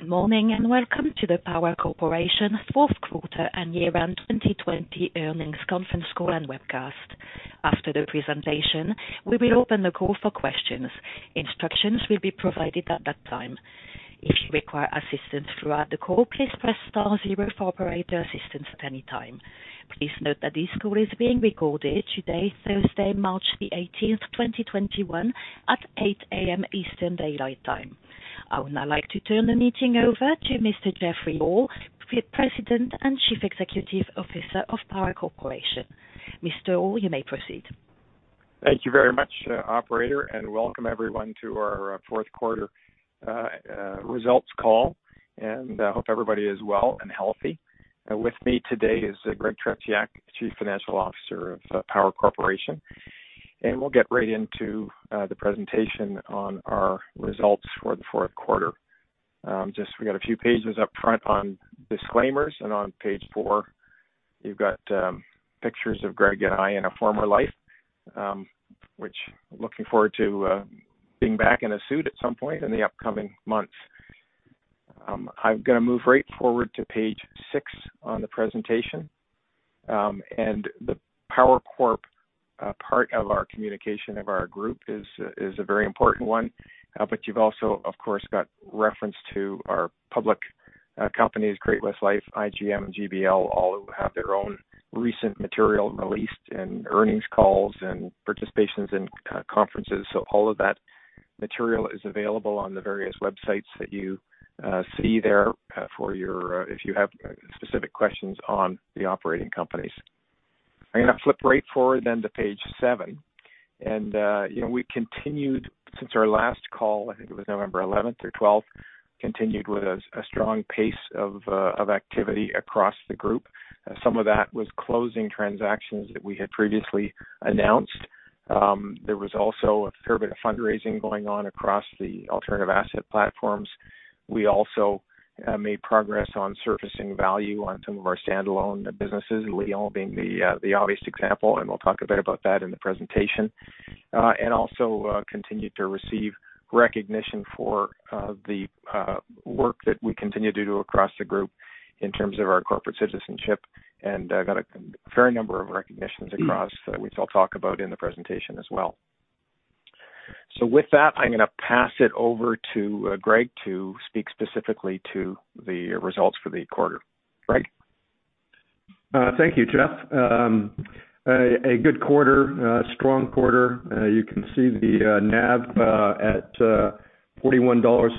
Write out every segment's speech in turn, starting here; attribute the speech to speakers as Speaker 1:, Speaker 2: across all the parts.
Speaker 1: Good morning and welcome to the Power Corporation fourth quarter and year-end 2020 earnings conference call and webcast. After the presentation, we will open the call for questions. Instructions will be provided at that time. If you require assistance throughout the call, please press star zero for operator assistance at any time. Please note that this call is being recorded today, Thursday, March the 18th, 2021, at 8:00 A.M. Eastern Daylight Time. I would now like to turn the meeting over to Mr. Jeffrey Orr, President and Chief Executive Officer of Power Corporation. Mr. Orr, you may proceed.
Speaker 2: Thank you very much, Operator, and welcome everyone to our Fourth Quarter Results Call. I hope everybody is well and healthy. With me today is Greg Tretiak, Chief Financial Officer of Power Corporation. We'll get right into the presentation on our results for the Fourth Quarter. Just we got a few pages up front on disclaimers, and on page four, you've got pictures of Greg and I in a former life, which I'm looking forward to being back in a suit at some point in the upcoming months. I'm going to move right forward to page six on the presentation. The Power Corp part of our communication of our group is a very important one. But you've also, of course, got reference to our public companies, Great-West Lifeco, IGM, and GBL, all who have their own recent material released in earnings calls and participations in conferences. All of that material is available on the various websites that you see there for you if you have specific questions on the operating companies. I'm going to flip right forward, then, to page seven. We continued since our last call, I think it was November 11th or 12th, with a strong pace of activity across the group. Some of that was closing transactions that we had previously announced. There was also a fair bit of fundraising going on across the alternative asset platforms. We also made progress on surfacing value on some of our standalone businesses, Lion being the obvious example. We'll talk a bit about that in the presentation. We also continue to receive recognition for the work that we continue to do across the group in terms of our corporate citizenship. And I've got a fair number of recognitions across that we'll talk about in the presentation as well. So with that, I'm going to pass it over to Greg to speak specifically to the results for the quarter. Greg.
Speaker 3: Thank you, Jeff. A good quarter, a strong quarter. You can see the NAV at 41.27 dollars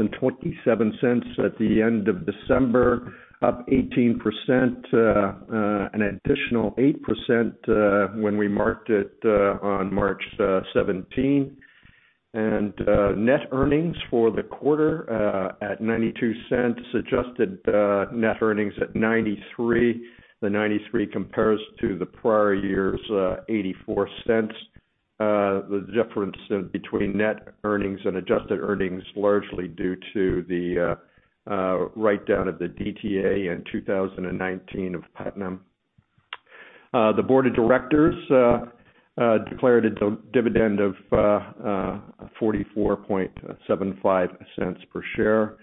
Speaker 3: at the end of December, up 18%, an additional 8% when we marked it on March 17. And net earnings for the quarter at 0.92, adjusted net earnings at 0.93. The 0.93 compares to the prior year's 0.84. The difference between net earnings and adjusted earnings is largely due to the write-down of the DTA in 2019 of Putnam. The board of directors declared a dividend of 44.75 per share.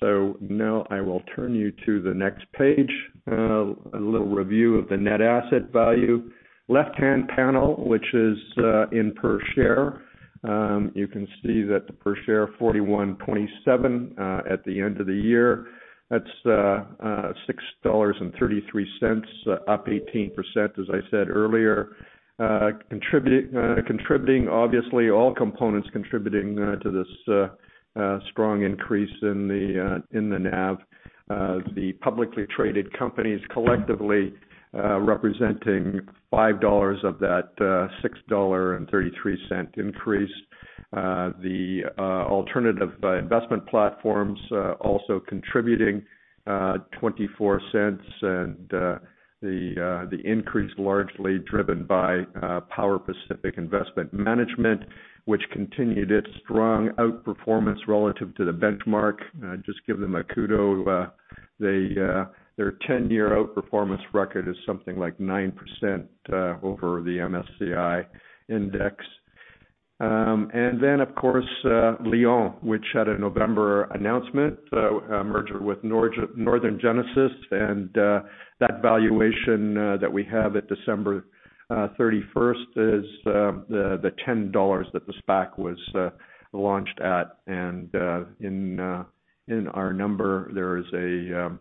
Speaker 3: So now I will turn you to the next page, a little review of the net asset value. Left-hand panel, which is in per share, you can see that the per share 41.7 at the end of the year, that's 6.33 dollars, up 18%, as I said earlier. Contributing, obviously, all components contributing to this strong increase in the NAV. The publicly traded companies collectively representing 5 dollars of that 6.33 dollar increase. The alternative investment platforms also contributing 0.24. The increase largely driven by Power Pacific Investment Management, which continued its strong outperformance relative to the benchmark. Just give them a kudos. Their 10-year outperformance record is something like 9% over the MSCI index. Then, of course, Lion, which had a November announcement, merger with Northern Genesis. That valuation that we have at December 31st is the 10 dollars that the SPAC was launched at. In our number, there is an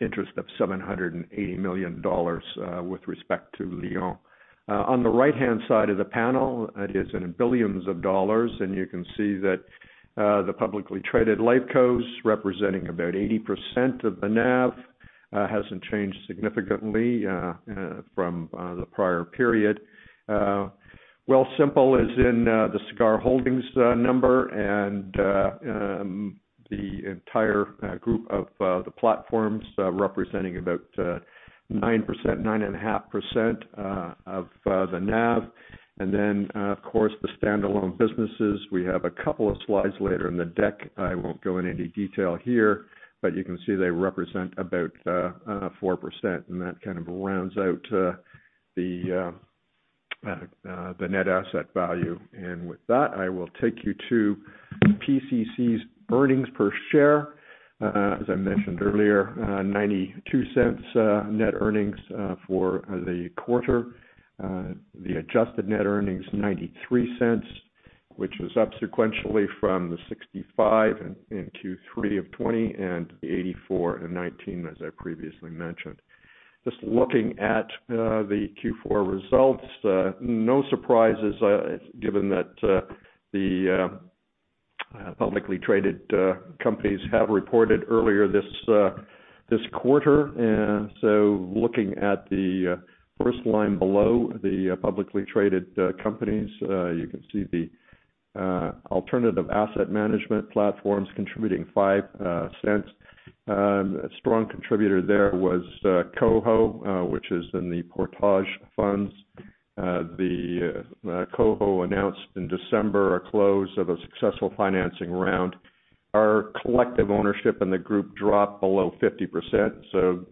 Speaker 3: interest of 780 million dollars with respect to Lion. On the right-hand side of the panel, it is in billions of dollars. You can see that the publicly traded Lifecos, representing about 80% of the NAV, hasn't changed significantly from the prior period. Wealthsimple is in the Sagard Holdings number. The entire group of the platforms representing about 9%-9.5% of the NAV. Then, of course, the standalone businesses. We have a couple of slides later in the deck. I won't go into any detail here. But you can see they represent about 4%. And that kind of rounds out the net asset value. And with that, I will take you to PCC's earnings per share. As I mentioned earlier, 0.92 net earnings for the quarter. The adjusted net earnings, 0.93, which is up sequentially from the 0.65 in Q3 of 2020 and 0.84 in 2019, as I previously mentioned. Just looking at the Q4 results, no surprises, given that the publicly traded companies have reported earlier this quarter. And so looking at the first line below, the publicly traded companies, you can see the alternative asset management platforms contributing 0.05. A strong contributor there was KOHO, which is in the Portage funds. The KOHO announced in December a close of a successful financing round. Our collective ownership in the group dropped below 50%. So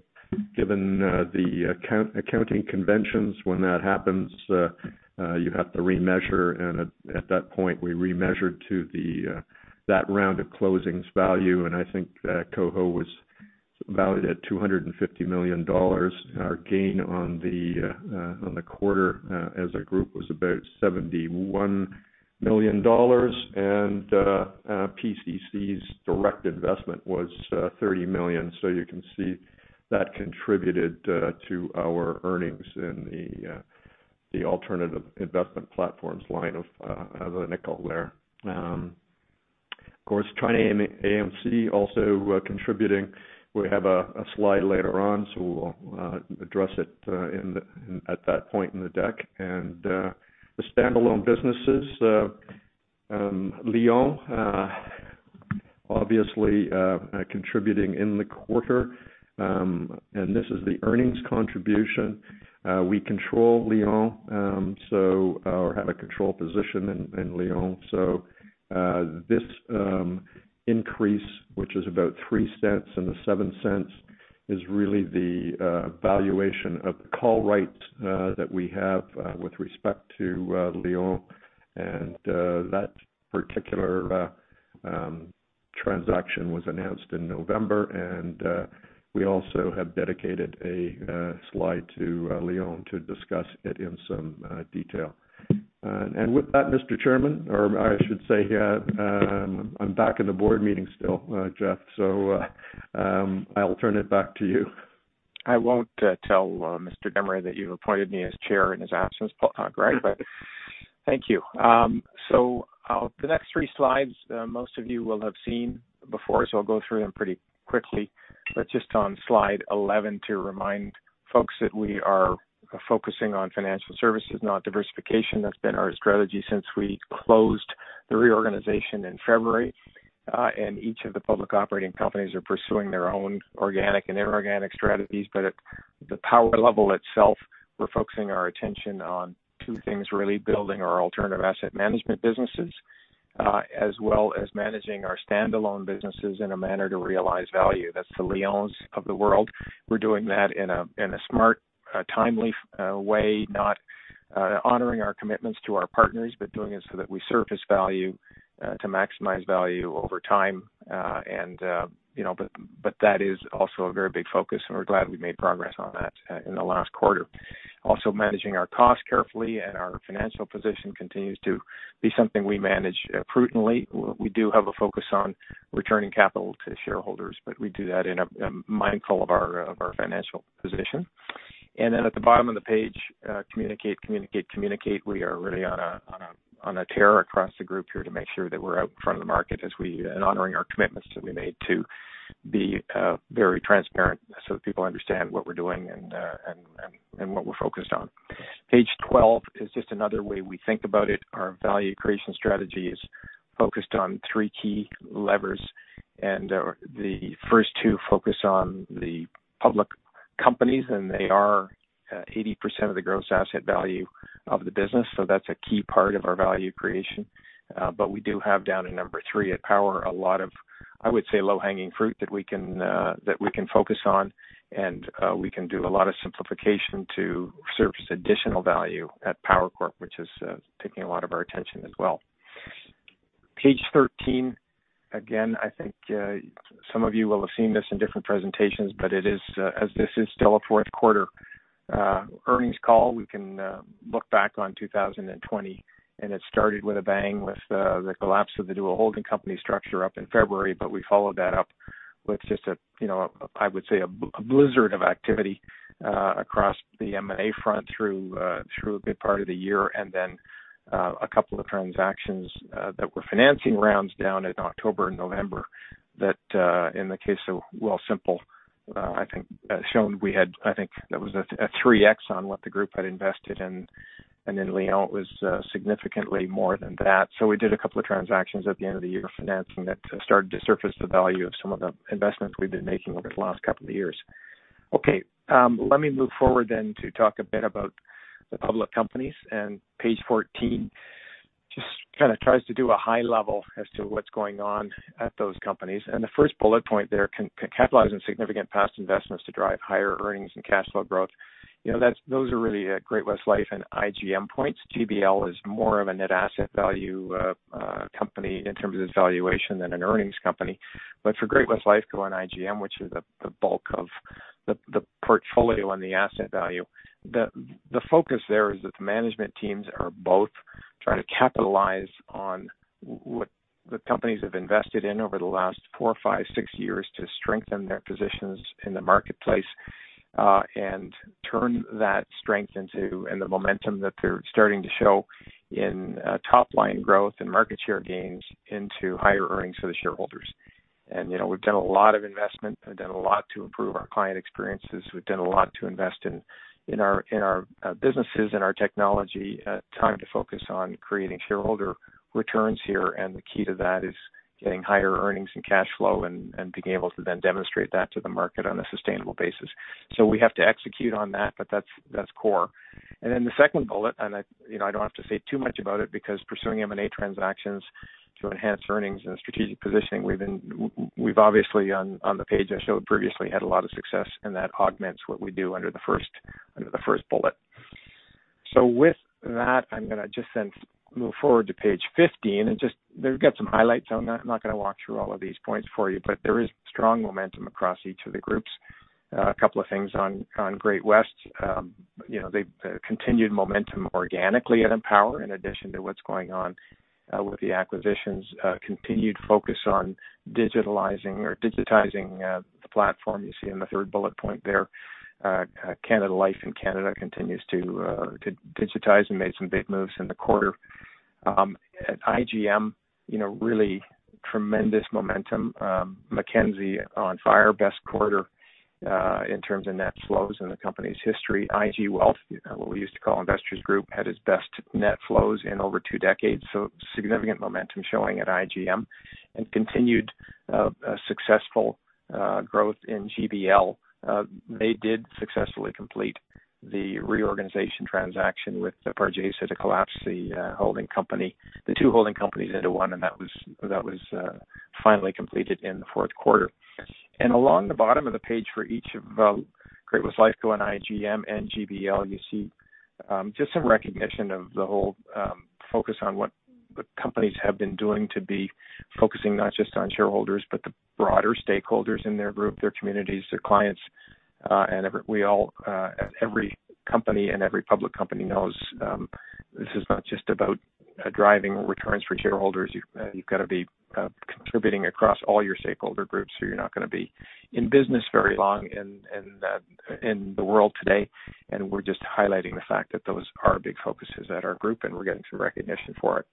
Speaker 3: given the accounting conventions, when that happens, you have to remeasure. And at that point, we remeasured to that round of closing's value. And I think KOHO was valued at 250 million dollars. Our gain on the quarter as a group was about 71 million dollars. And PCC's direct investment was 30 million. So you can see that contributed to our earnings in the alternative investment platforms line of the nickel there. Of course, China AMC also contributing. We have a slide later on, so we'll address it at that point in the deck. And the standalone businesses, Lion obviously contributing in the quarter. And this is the earnings contribution. We control Lion or have a control position in Lion. So this increase, which is about 0.03 and the 0.07, is really the valuation of the call rights that we have with respect to Lion. And that particular transaction was announced in November. And we also have dedicated a slide to Lion to discuss it in some detail. And with that, Mr. Chairman, or I should say, I'm back in the board meeting still, Jeff. So I'll turn it back to you.
Speaker 2: I won't tell Mr. Desmarais that you've appointed me as chair in his absence, Greg. But thank you. So the next three slides, most of you will have seen before. So I'll go through them pretty quickly. But just on slide 11 to remind folks that we are focusing on financial services, not diversification. That's been our strategy since we closed the reorganization in February. And each of the public operating companies are pursuing their own organic and inorganic strategies. But at the Power level itself, we're focusing our attention on two things really: building our alternative asset management businesses, as well as managing our standalone businesses in a manner to realize value. That's the Lions of the world. We're doing that in a smart, timely way, not honoring our commitments to our partners, but doing it so that we surface value to maximize value over time. But that is also a very big focus. And we're glad we made progress on that in the last quarter. Also managing our costs carefully. And our financial position continues to be something we manage prudently. We do have a focus on returning capital to shareholders. But we do that in mind of our financial position. And then at the bottom of the page, communicate, communicate, communicate. We are really on a tear across the group here to make sure that we're out in front of the market as we are honoring our commitments that we made to be very transparent so that people understand what we're doing and what we're focused on. Page 12 is just another way we think about it. Our value creation strategy is focused on three key levers. And the first two focus on the public companies. They are 80% of the gross asset value of the business. So that's a key part of our value creation. But we do have down in number three at Power a lot of, I would say, low-hanging fruit that we can focus on. And we can do a lot of simplification to surface additional value at Power Corporation, which is taking a lot of our attention as well. Page 13, again, I think some of you will have seen this in different presentations. But as this is still a fourth quarter earnings call, we can look back on 2020. And it started with a bang with the collapse of the dual holding company structure up in February. But we followed that up with just a, I would say, a blizzard of activity across the M&A front through a good part of the year. And then a couple of transactions that were financing rounds down in October and November that, in the case of Wealthsimple, I think showed we had, I think that was a 3x on what the group had invested in. And then Lion was significantly more than that. So we did a couple of transactions at the end of the year financing that started to surface the value of some of the investments we've been making over the last couple of years. Okay. Let me move forward then to talk a bit about the public companies. And page 14 just kind of tries to do a high level as to what's going on at those companies. And the first bullet point there, capitalizing significant past investments to drive higher earnings and cash flow growth, those are really Great-West Lifeco and IGM points. GBL is more of a net asset value company in terms of its valuation than an earnings company. But for Great-West Lifeco and IGM, which are the bulk of the portfolio and the asset value, the focus there is that the management teams are both trying to capitalize on what the companies have invested in over the last four, five, six years to strengthen their positions in the marketplace and turn that strength into and the momentum that they're starting to show in top-line growth and market share gains into higher earnings for the shareholders. And we've done a lot of investment. We've done a lot to improve our client experiences. We've done a lot to invest in our businesses and our technology, time to focus on creating shareholder returns here. And the key to that is getting higher earnings and cash flow and being able to then demonstrate that to the market on a sustainable basis. So we have to execute on that. But that's core. And then the second bullet, and I don't have to say too much about it because pursuing M&A transactions to enhance earnings and strategic positioning, we've obviously, on the page I showed previously, had a lot of success. And that augments what we do under the first bullet. So with that, I'm going to just then move forward to page 15. And just, there's some highlights on that. I'm not going to walk through all of these points for you. But there is strong momentum across each of the groups. A couple of things on Great-West. They've continued momentum organically at Empower in addition to what's going on with the acquisitions. Continued focus on digitizing the platform you see in the third bullet point there. Canada Life in Canada continues to digitize and made some big moves in the quarter. At IGM, really tremendous momentum. Mackenzie on fire, best quarter in terms of net flows in the company's history. IG Wealth, what we used to call Investors Group, had its best net flows in over two decades. So significant momentum showing at IGM. And continued successful growth in GBL. They did successfully complete the reorganization transaction with Pargesa to collapse the two holding companies into one. And that was finally completed in the fourth quarter. And along the bottom of the page for each of Great-West Lifeco and IGM and GBL, you see just some recognition of the whole focus on what the companies have been doing to be focusing not just on shareholders, but the broader stakeholders in their group, their communities, their clients. And we all, every company and every public company knows this is not just about driving returns for shareholders. You've got to be contributing across all your stakeholder groups. So you're not going to be in business very long in the world today. And we're just highlighting the fact that those are big focuses at our group. And we're getting some recognition for it.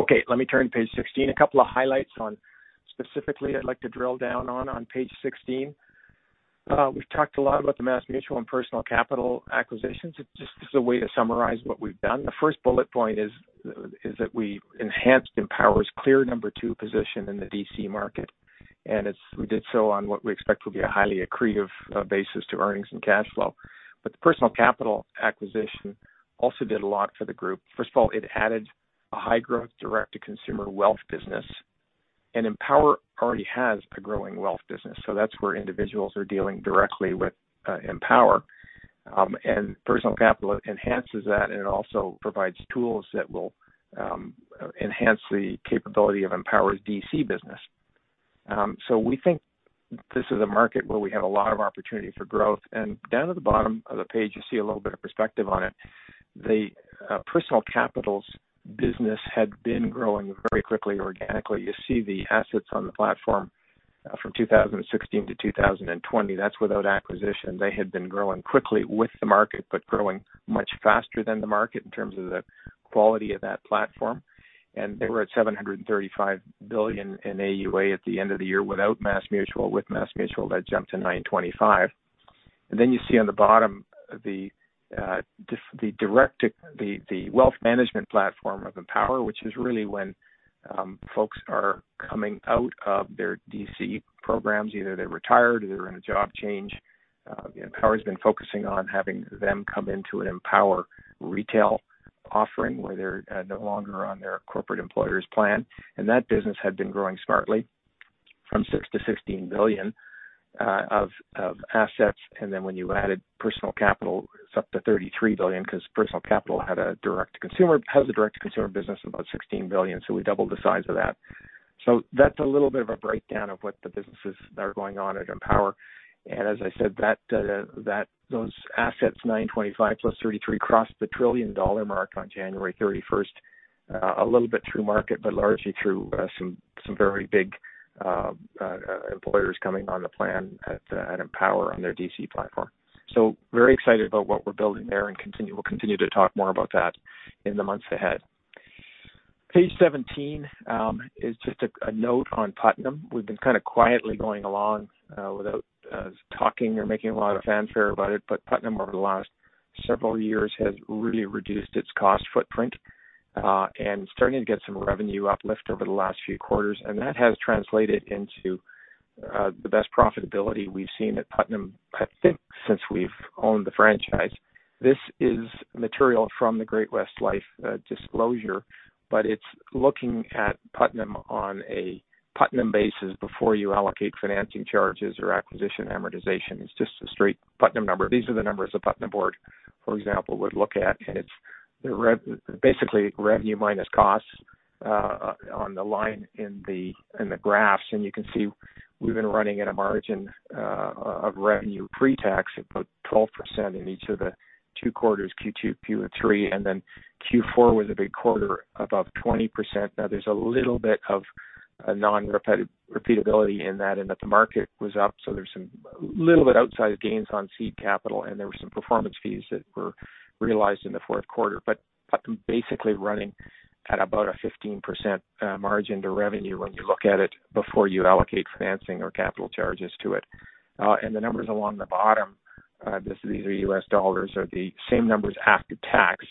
Speaker 2: Okay. Let me turn to page 16. A couple of highlights on specifically I'd like to drill down on page 16. We've talked a lot about the MassMutual and Personal Capital acquisitions. Just as a way to summarize what we've done, the first bullet point is that we enhanced Empower's clear number two position in the DC market. And we did so on what we expect will be a highly accretive basis to earnings and cash flow. But the Personal Capital acquisition also did a lot for the group. First of all, it added a high-growth direct-to-consumer wealth business. And Empower already has a growing wealth business. So that's where individuals are dealing directly with Empower. And Personal Capital enhances that. And it also provides tools that will enhance the capability of Empower's DC business. So we think this is a market where we have a lot of opportunity for growth. And down at the bottom of the page, you see a little bit of perspective on it. The Personal Capital's business had been growing very quickly organically. You see the assets on the platform from 2016 to 2020. That's without acquisition. They had been growing quickly with the market, but growing much faster than the market in terms of the quality of that platform. They were at 735 billion in AUA at the end of the year without MassMutual. With MassMutual, that jumped to 925 billion. Then you see on the bottom the wealth management platform of Empower, which is really when folks are coming out of their DC programs, either they retired or they're in a job change. Empower has been focusing on having them come into an Empower retail offering where they're no longer on their corporate employer's plan. That business had been growing smartly from 6 billion to 16 billion of assets. Then when you added Personal Capital, it's up to 33 billion because Personal Capital has a direct-to-consumer business of about 16 billion. So we doubled the size of that. So that's a little bit of a breakdown of what the businesses that are going on at Empower. And as I said, those assets, 925 billion plus 33 billion, crossed the 1 trillion dollar mark on January 31st, a little bit through market, but largely through some very big employers coming on the plan at Empower on their DC platform. So very excited about what we're building there. And we'll continue to talk more about that in the months ahead. Page 17 is just a note on Putnam. We've been kind of quietly going along without talking or making a lot of fanfare about it. But Putnam, over the last several years, has really reduced its cost footprint and starting to get some revenue uplift over the last few quarters. And that has translated into the best profitability we've seen at Putnam, I think, since we've owned the franchise. This is material from the Great-West Lifeco disclosure. But it's looking at Putnam on a Putnam basis before you allocate financing charges or acquisition amortization. It's just a straight Putnam number. These are the numbers the Putnam Board, for example, would look at. And it's basically revenue minus costs on the line in the graphs. And you can see we've been running at a margin of revenue pre-tax of about 12% in each of the two quarters, Q2, Q3. And then Q4 was a big quarter above 20%. Now, there's a little bit of non-repeatability in that. And that the market was up. So, there's some little bit outside gains on seed capital. And there were some performance fees that were realized in the fourth quarter. But Putnam basically running at about a 15% margin to revenue when you look at it before you allocate financing or capital charges to it. And the numbers along the bottom, these are U.S. dollars, are the same numbers after tax.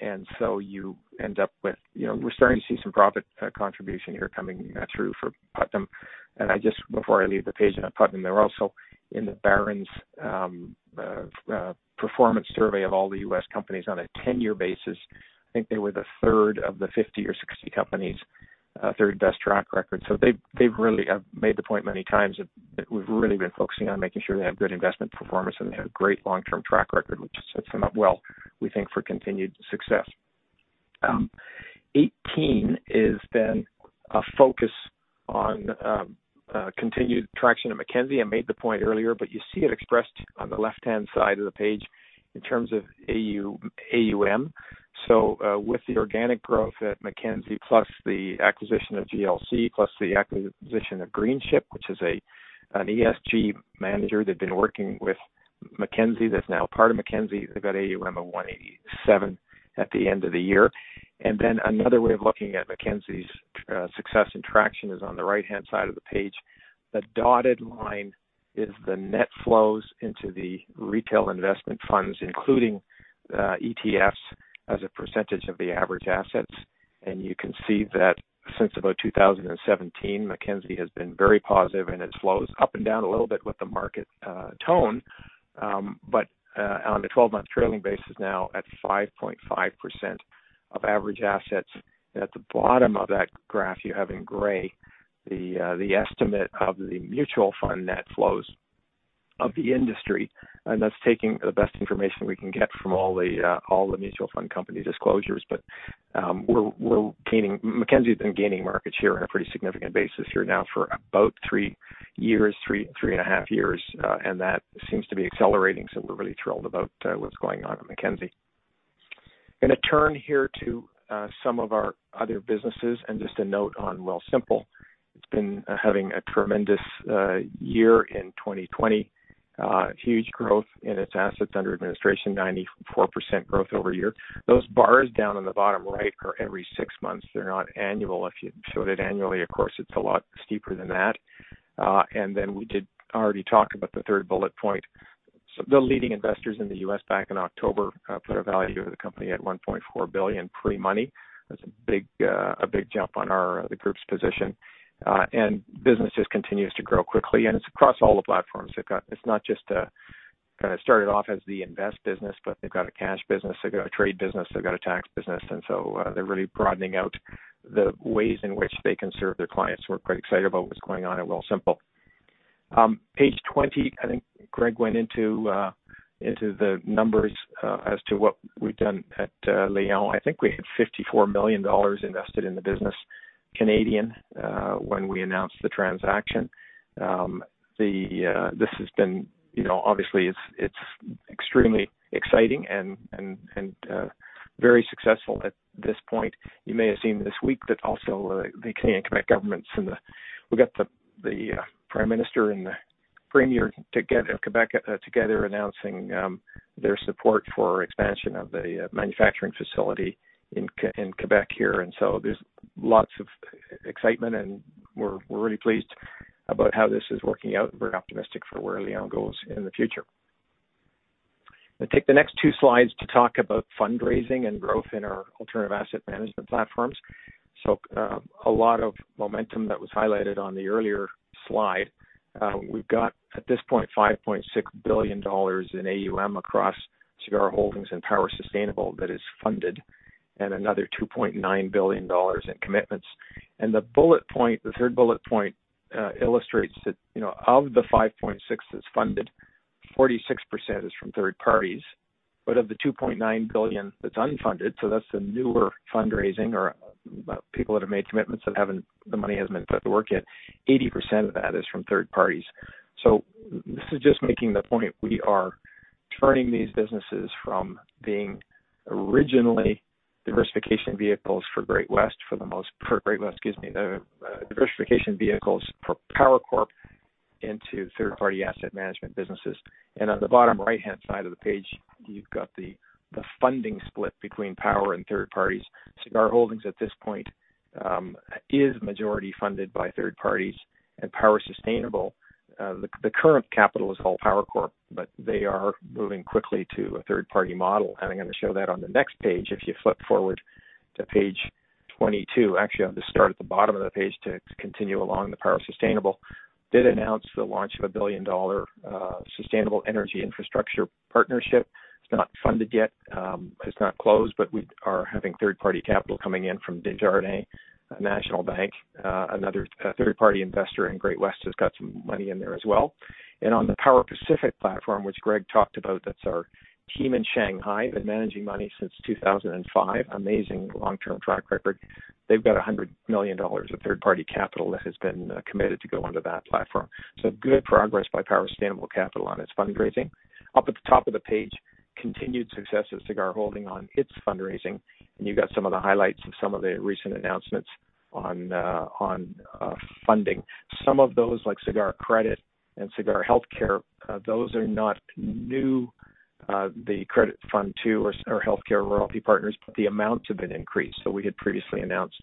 Speaker 2: And so you end up with we're starting to see some profit contribution here coming through for Putnam. And just before I leave the page on Putnam, they're also in the Barron's performance survey of all the U.S. companies on a 10-year basis. I think they were the third of the 50 or 60 companies, third best track record. So they've really made the point many times that we've really been focusing on making sure they have good investment performance and they have a great long-term track record, which sets them up well, we think, for continued success. 18 is then a focus on continued traction at Mackenzie. I made the point earlier. But you see it expressed on the left-hand side of the page in terms of AUM. So with the organic growth at Mackenzie plus the acquisition of GLC plus the acquisition of Greenchip, which is an ESG manager that had been working with Mackenzie that's now part of Mackenzie, they've got AUM of 187 at the end of the year. And then another way of looking at Mackenzie's success and traction is on the right-hand side of the page. The dotted line is the net flows into the retail investment funds, including ETFs as a percentage of the average assets. And you can see that since about 2017, Mackenzie has been very positive. And it flows up and down a little bit with the market tone. But on a 12-month trailing basis now at 5.5% of average assets. And at the bottom of that graph you have in gray the estimate of the mutual fund net flows of the industry. And that's taking the best information we can get from all the mutual fund company disclosures. But Mackenzie's been gaining market share on a pretty significant basis here now for about three years, three and a half years. And that seems to be accelerating. So we're really thrilled about what's going on at Mackenzie. I'm going to turn here to some of our other businesses. Just a note on Wealthsimple. It's been having a tremendous year in 2020, huge growth in its assets under administration, 94% growth over a year. Those bars down on the bottom right are every six months. They're not annual. If you showed it annually, of course, it's a lot steeper than that. Then we did already talk about the third bullet point. The leading investors in the U.S. back in October put a value of the company at 1.4 billion pre-money. That's a big jump on the group's position. Business just continues to grow quickly. It's across all the platforms. It's not just kind of started off as the invest business, but they've got a cash business. They've got a trade business. They've got a tax business. So they're really broadening out the ways in which they can serve their clients. We're quite excited about what's going on at Wealthsimple. Page 20, I think Greg went into the numbers as to what we've done at Lion. I think we had 54 million dollars invested in the business Canadian when we announced the transaction. This has been, obviously, it's extremely exciting and very successful at this point. You may have seen this week that also the Canadian and Quebec governments and we got the Prime Minister and the Premier together announcing their support for expansion of the manufacturing facility in Quebec here, and so there's lots of excitement, and we're really pleased about how this is working out. We're optimistic for where Lion goes in the future. I'm going to take the next two slides to talk about fundraising and growth in our alternative asset management platforms, so a lot of momentum that was highlighted on the earlier slide. We've got, at this point, 5.6 billion dollars in AUM across Sagard Holdings and Power Sustainable that is funded and another 2.9 billion dollars in commitments. And the third bullet point illustrates that of the 5.6 billion that's funded, 46% is from third parties. But of the 2.9 billion that's unfunded, so that's the newer fundraising or people that have made commitments that the money hasn't been put to work yet, 80% of that is from third parties. So this is just making the point. We are turning these businesses from being originally diversification vehicles for Great-West for the most part, Great-West, excuse me, diversification vehicles for Power Corp into third-party asset management businesses. And on the bottom right-hand side of the page, you've got the funding split between Power and third parties. Sagard Holdings at this point is majority funded by third parties. Power Sustainable, the current capital is all Power Corp. But they are moving quickly to a third-party model. I'm going to show that on the next page if you flip forward to page 22. Actually, I'll just start at the bottom of the page to continue along the Power Sustainable. Did announce the launch of a 1 billion dollar sustainable energy infrastructure partnership. It's not funded yet. It's not closed. But we are having third-party capital coming in from Desjardins, National Bank. Another third-party investor in Great-West has got some money in there as well. And on the Power Pacific platform, which Greg talked about, that's our team in Shanghai. They've been managing money since 2005, amazing long-term track record. They've got 100 million dollars of third-party capital that has been committed to go under that platform. Good progress by Power Sustainable Capital on its fundraising. Up at the top of the page, continued success of Sagard Holdings on its fundraising. You've got some of the highlights of some of the recent announcements on funding. Some of those, like Sagard Credit Partners and Sagard Healthcare Royalty Partners, those are not new, the Credit Fund II or Healthcare Royalty Partners. But the amounts have been increased. We had previously announced,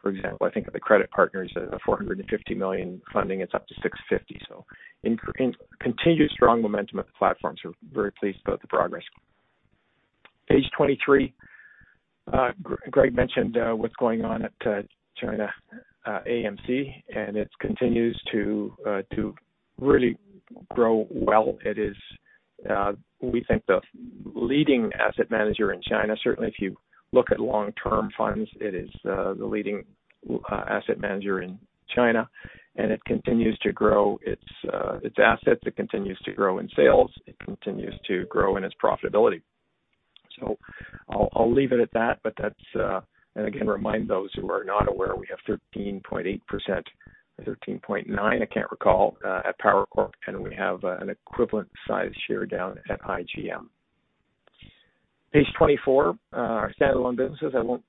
Speaker 2: for example, I think of the Credit Partners, 450 million funding. It's up to 650 million. Continued strong momentum at the platforms. We're very pleased about the progress. Page 23, Greg mentioned what's going on at China AMC. It continues to really grow well. We think the leading asset manager in China, certainly if you look at long-term funds, it is the leading asset manager in China. It continues to grow its assets. It continues to grow in sales. It continues to grow in its profitability. So I'll leave it at that. And again, remind those who are not aware, we have 13.8%, 13.9%, I can't recall, at Power Corp. And we have an equivalent size share down at IGM. Page 24, our standalone businesses. I won't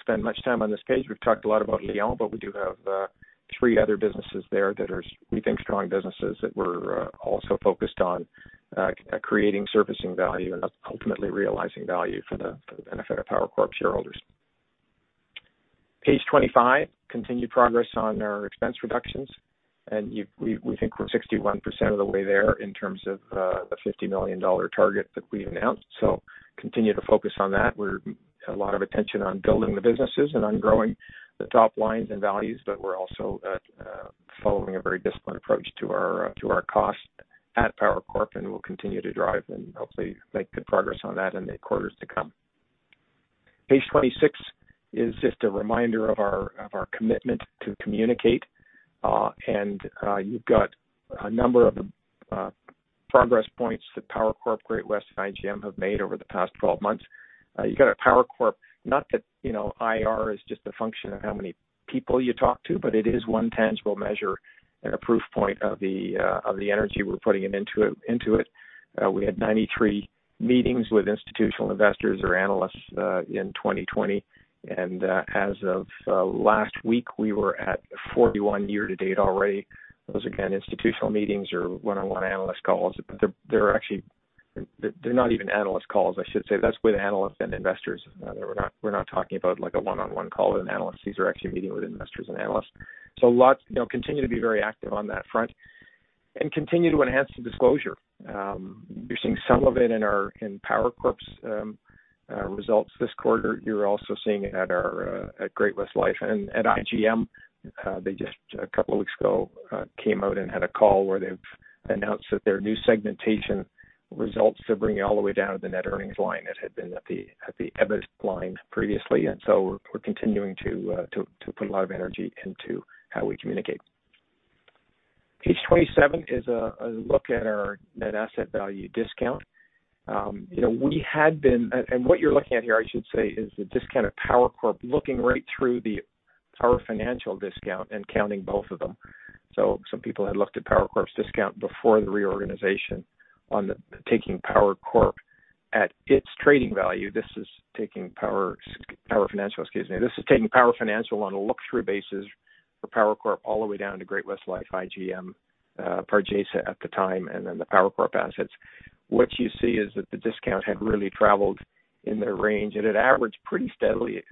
Speaker 2: spend much time on this page. We've talked a lot about Lion. But we do have three other businesses there that we think are strong businesses that we're also focused on creating servicing value and ultimately realizing value for the benefit of Power Corp shareholders. Page 25, continued progress on our expense reductions. And we think we're 61% of the way there in terms of the 50 million dollar target that we announced. So continue to focus on that. We're a lot of attention on building the businesses and on growing the top lines and values. But we're also following a very disciplined approach to our cost at Power Corp. We'll continue to drive and hopefully make good progress on that in the quarters to come. Page 26 is just a reminder of our commitment to communicate. You've got a number of progress points that Power Corp, Great West, and IGM have made over the past 12 months. You've got a Power Corp, not that IR is just a function of how many people you talk to, but it is one tangible measure and a proof point of the energy we're putting into it. We had 93 meetings with institutional investors or analysts in 2020. As of last week, we were at 41 year-to-date already. Those are, again, institutional meetings or one-on-one analyst calls. They're not even analyst calls, I should say. That's with analysts and investors. We're not talking about a one-on-one call with an analyst. These are actually meeting with investors and analysts. So continue to be very active on that front. And continue to enhance the disclosure. You're seeing some of it in Power Corp's results this quarter. You're also seeing it at Great-West Lifeco. And at IGM, they just a couple of weeks ago came out and had a call where they've announced that their new segmentation results are bringing all the way down to the net earnings line that had been at the EBIT line previously. And so we're continuing to put a lot of energy into how we communicate. Page 27 is a look at our net asset value discount. We had been, and what you're looking at here, I should say, is the discount at Power Corp looking right through the Power Financial discount and counting both of them. Some people had looked at Power Corp's discount before the reorganization on taking Power Corp at its trading value. This is taking Power Financial, excuse me. This is taking Power Financial on a look-through basis for Power Corp all the way down to Great-West Lifeco, IGM, Pargesa at the time, and then the Power Corp assets. What you see is that the discount had really traveled in the range. It had averaged pretty steadily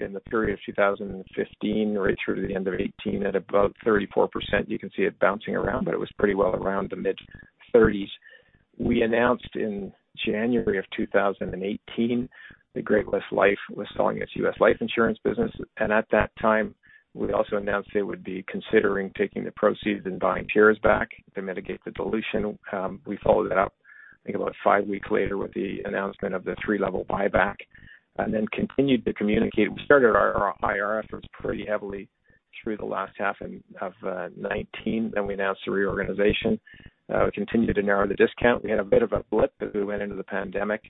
Speaker 2: in the period of 2015 right through to the end of 2018 at about 34%. You can see it bouncing around. But it was pretty well around the mid-30s. We announced in January of 2018 that Great-West Lifeco was selling its U.S. life insurance business. And at that time, we also announced they would be considering taking the proceeds and buying shares back to mitigate the dilution. We followed that up, I think, about five weeks later with the announcement of the three-level buyback, and then continued to communicate. We started our IR after it was pretty heavily through the last half of 2019. Then we announced the reorganization. We continued to narrow the discount. We had a bit of a blip as we went into the pandemic.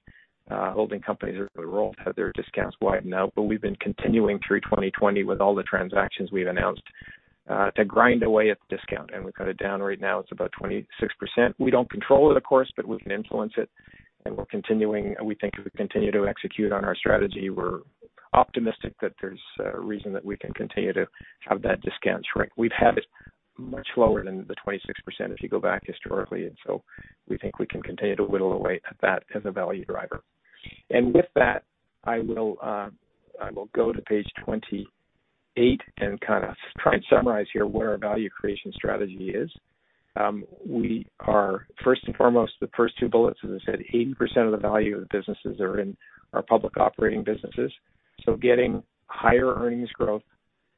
Speaker 2: Holding companies around the world had their discounts widened out, but we've been continuing through 2020 with all the transactions we've announced to grind away at the discount, and we've got it down right now. It's about 26%. We don't control it, of course. But we can influence it, and we're continuing, we think, to continue to execute on our strategy. We're optimistic that there's a reason that we can continue to have that discount shrink. We've had it much lower than the 26% if you go back historically. And so we think we can continue to whittle away at that as a value driver. And with that, I will go to page 28 and kind of try and summarize here what our value creation strategy is. First and foremost, the first two bullets, as I said, 80% of the value of the businesses are in our public operating businesses. So getting higher earnings growth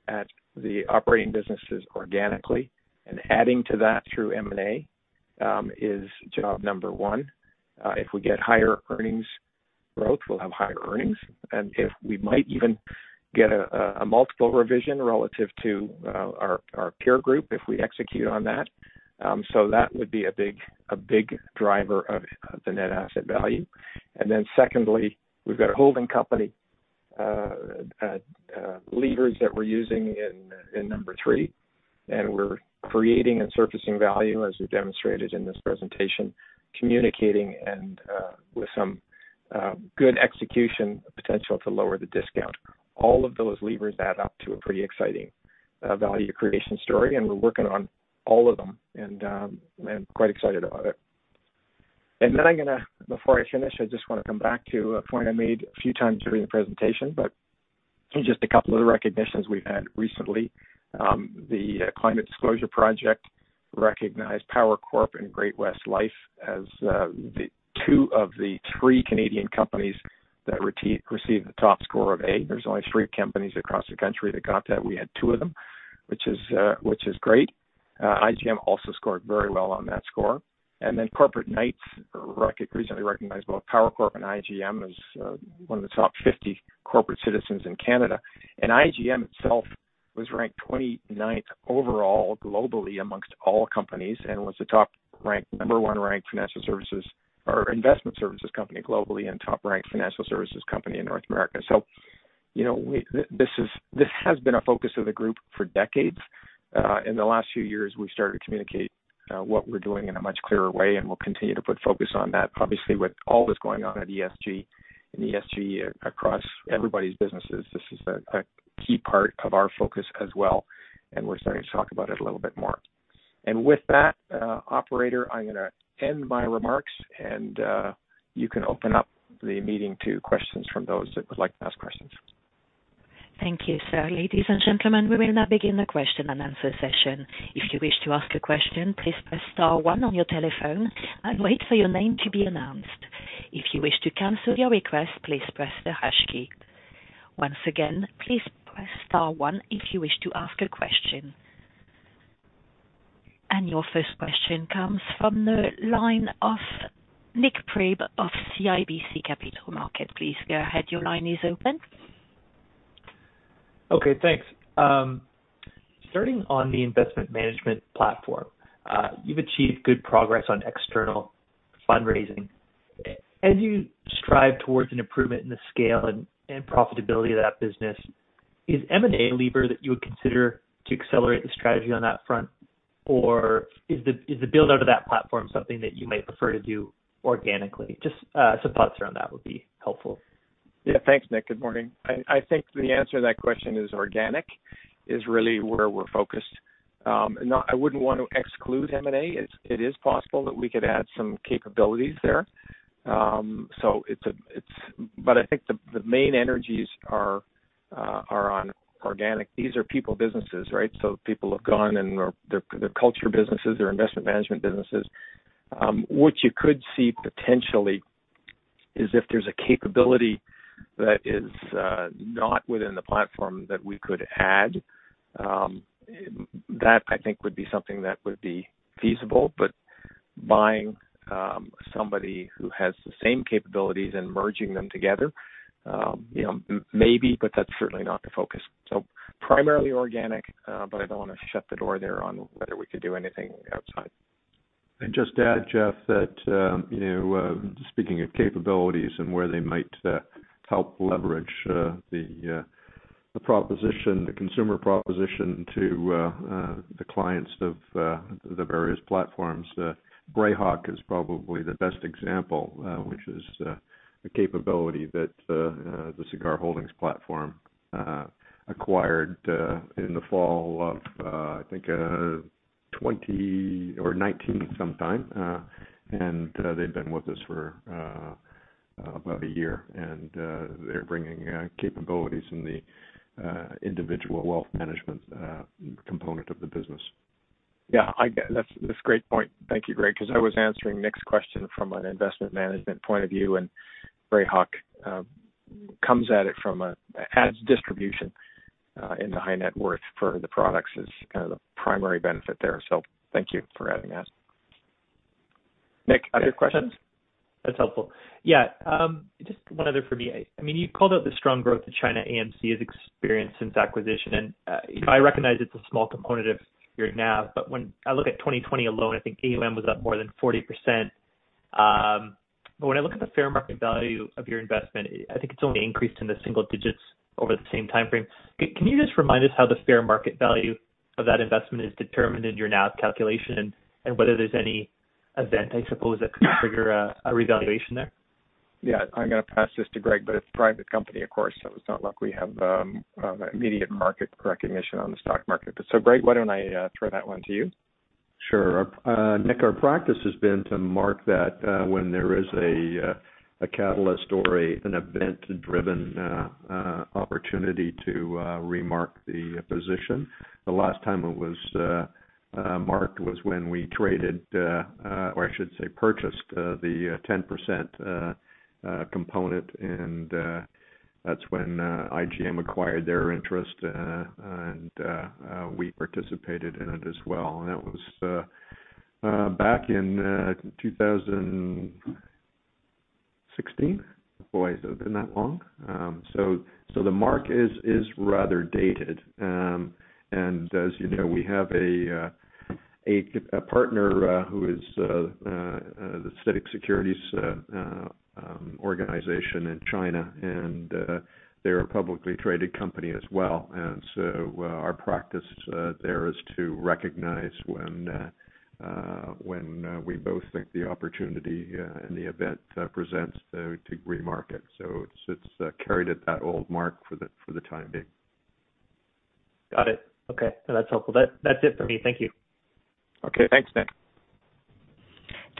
Speaker 2: at the operating businesses organically and adding to that through M&A is job number one. If we get higher earnings growth, we'll have higher earnings. And we might even get a multiple revision relative to our peer group if we execute on that. So that would be a big driver of the net asset value. And then secondly, we've got holding company levers that we're using in number three. We're creating and surfacing value, as we've demonstrated in this presentation, communicating, and with some good execution potential to lower the discount. All of those levers add up to a pretty exciting value creation story. We're working on all of them. I'm quite excited about it. Then, before I finish, I just want to come back to a point I made a few times during the presentation, but just a couple of the recognitions we've had recently. The Carbon Disclosure Project recognized Power Corp and Great-West Lifeco as two of the three Canadian companies that received the top score of A. There's only three companies across the country that got that. We had two of them, which is great. IGM also scored very well on that score. And then Corporate Knights, Reuters recently recognized both Power Corp and IGM as one of the top 50 corporate citizens in Canada. And IGM itself was ranked 29th overall globally amongst all companies and was the top-ranked number one-ranked financial services or investment services company globally and top-ranked financial services company in North America. So this has been a focus of the group for decades. In the last few years, we've started to communicate what we're doing in a much clearer way. And we'll continue to put focus on that, obviously, with all that's going on at ESG. And ESG across everybody's businesses, this is a key part of our focus as well. And we're starting to talk about it a little bit more. And with that, Operator, I'm going to end my remarks. You can open up the meeting to questions from those that would like to ask questions.
Speaker 1: Thank you. So, ladies and gentlemen, we will now begin the question and answer session. If you wish to ask a question, please press star one on your telephone and wait for your name to be announced. If you wish to cancel your request, please press the hash key. Once again, please press star one if you wish to ask a question. And your first question comes from the line of Nik Priebe of CIBC Capital Markets. Please go ahead. Your line is open.
Speaker 4: Okay. Thanks. Starting on the investment management platform, you've achieved good progress on external fundraising. As you strive towards an improvement in the scale and profitability of that business, is M&A a lever that you would consider to accelerate the strategy on that front? Or is the build-out of that platform something that you might prefer to do organically? Just some thoughts around that would be helpful.
Speaker 2: Yeah. Thanks, Nik. Good morning. I think the answer to that question is organic is really where we're focused, and I wouldn't want to exclude M&A. It is possible that we could add some capabilities there. I think the main energies are on organic. These are people businesses, right? So people have gone and they're culture businesses. They're investment management businesses. What you could see potentially is if there's a capability that is not within the platform that we could add, that I think would be something that would be feasible. Buying somebody who has the same capabilities and merging them together, maybe. That's certainly not the focus. Primarily organic. I don't want to shut the door there on whether we could do anything outside.
Speaker 3: And just add, Jeff, that speaking of capabilities and where they might help leverage the consumer proposition to the clients of the various platforms, Grayhawk is probably the best example, which is a capability that the Sagard Holdings platform acquired in the fall of, I think, 2019 sometime. And they've been with us for about a year. And they're bringing capabilities in the individual wealth management component of the business.
Speaker 2: Yeah. That's a great point. Thank you, Greg, because I was answering Nik's question from an investment management point of view. And Grayhawk comes at it from an advisors distribution in the high net worth for the products is kind of the primary benefit there. So thank you for adding that. Nik, other questions?
Speaker 4: That's helpful. Yeah. Just one other for me. I mean, you called out the strong growth that China AMC has experienced since acquisition, and I recognize it's a small component of your NAV, but when I look at 2020 alone, I think AUM was up more than 40%, but when I look at the fair market value of your investment, I think it's only increased in the single digits over the same time frame. Can you just remind us how the fair market value of that investment is determined in your NAV calculation and whether there's any event, I suppose, that could trigger a revaluation there?
Speaker 2: Yeah. I'm going to pass this to Greg. But it's a private company, of course. So it's not like we have immediate market recognition on the stock market. But so, Greg, why don't I throw that one to you?
Speaker 3: Sure. Nik, our practice has been to mark that when there is a catalyst or an event-driven opportunity to remark the position. The last time it was marked was when we traded, or I should say purchased, the 10% component. And that's when IGM acquired their interest. And we participated in it as well. And that was back in 2016. Boy, it hasn't been that long. So the mark is rather dated. And as you know, we have a partner who is the CITIC Securities organisation in China. And they're a publicly traded company as well. And so our practice there is to recognize when we both think the opportunity and the event presents to remark it. So it's carried at that old mark for the time being.
Speaker 4: Got it. Okay. That's helpful. That's it for me. Thank you.
Speaker 2: Okay. Thanks, Nik.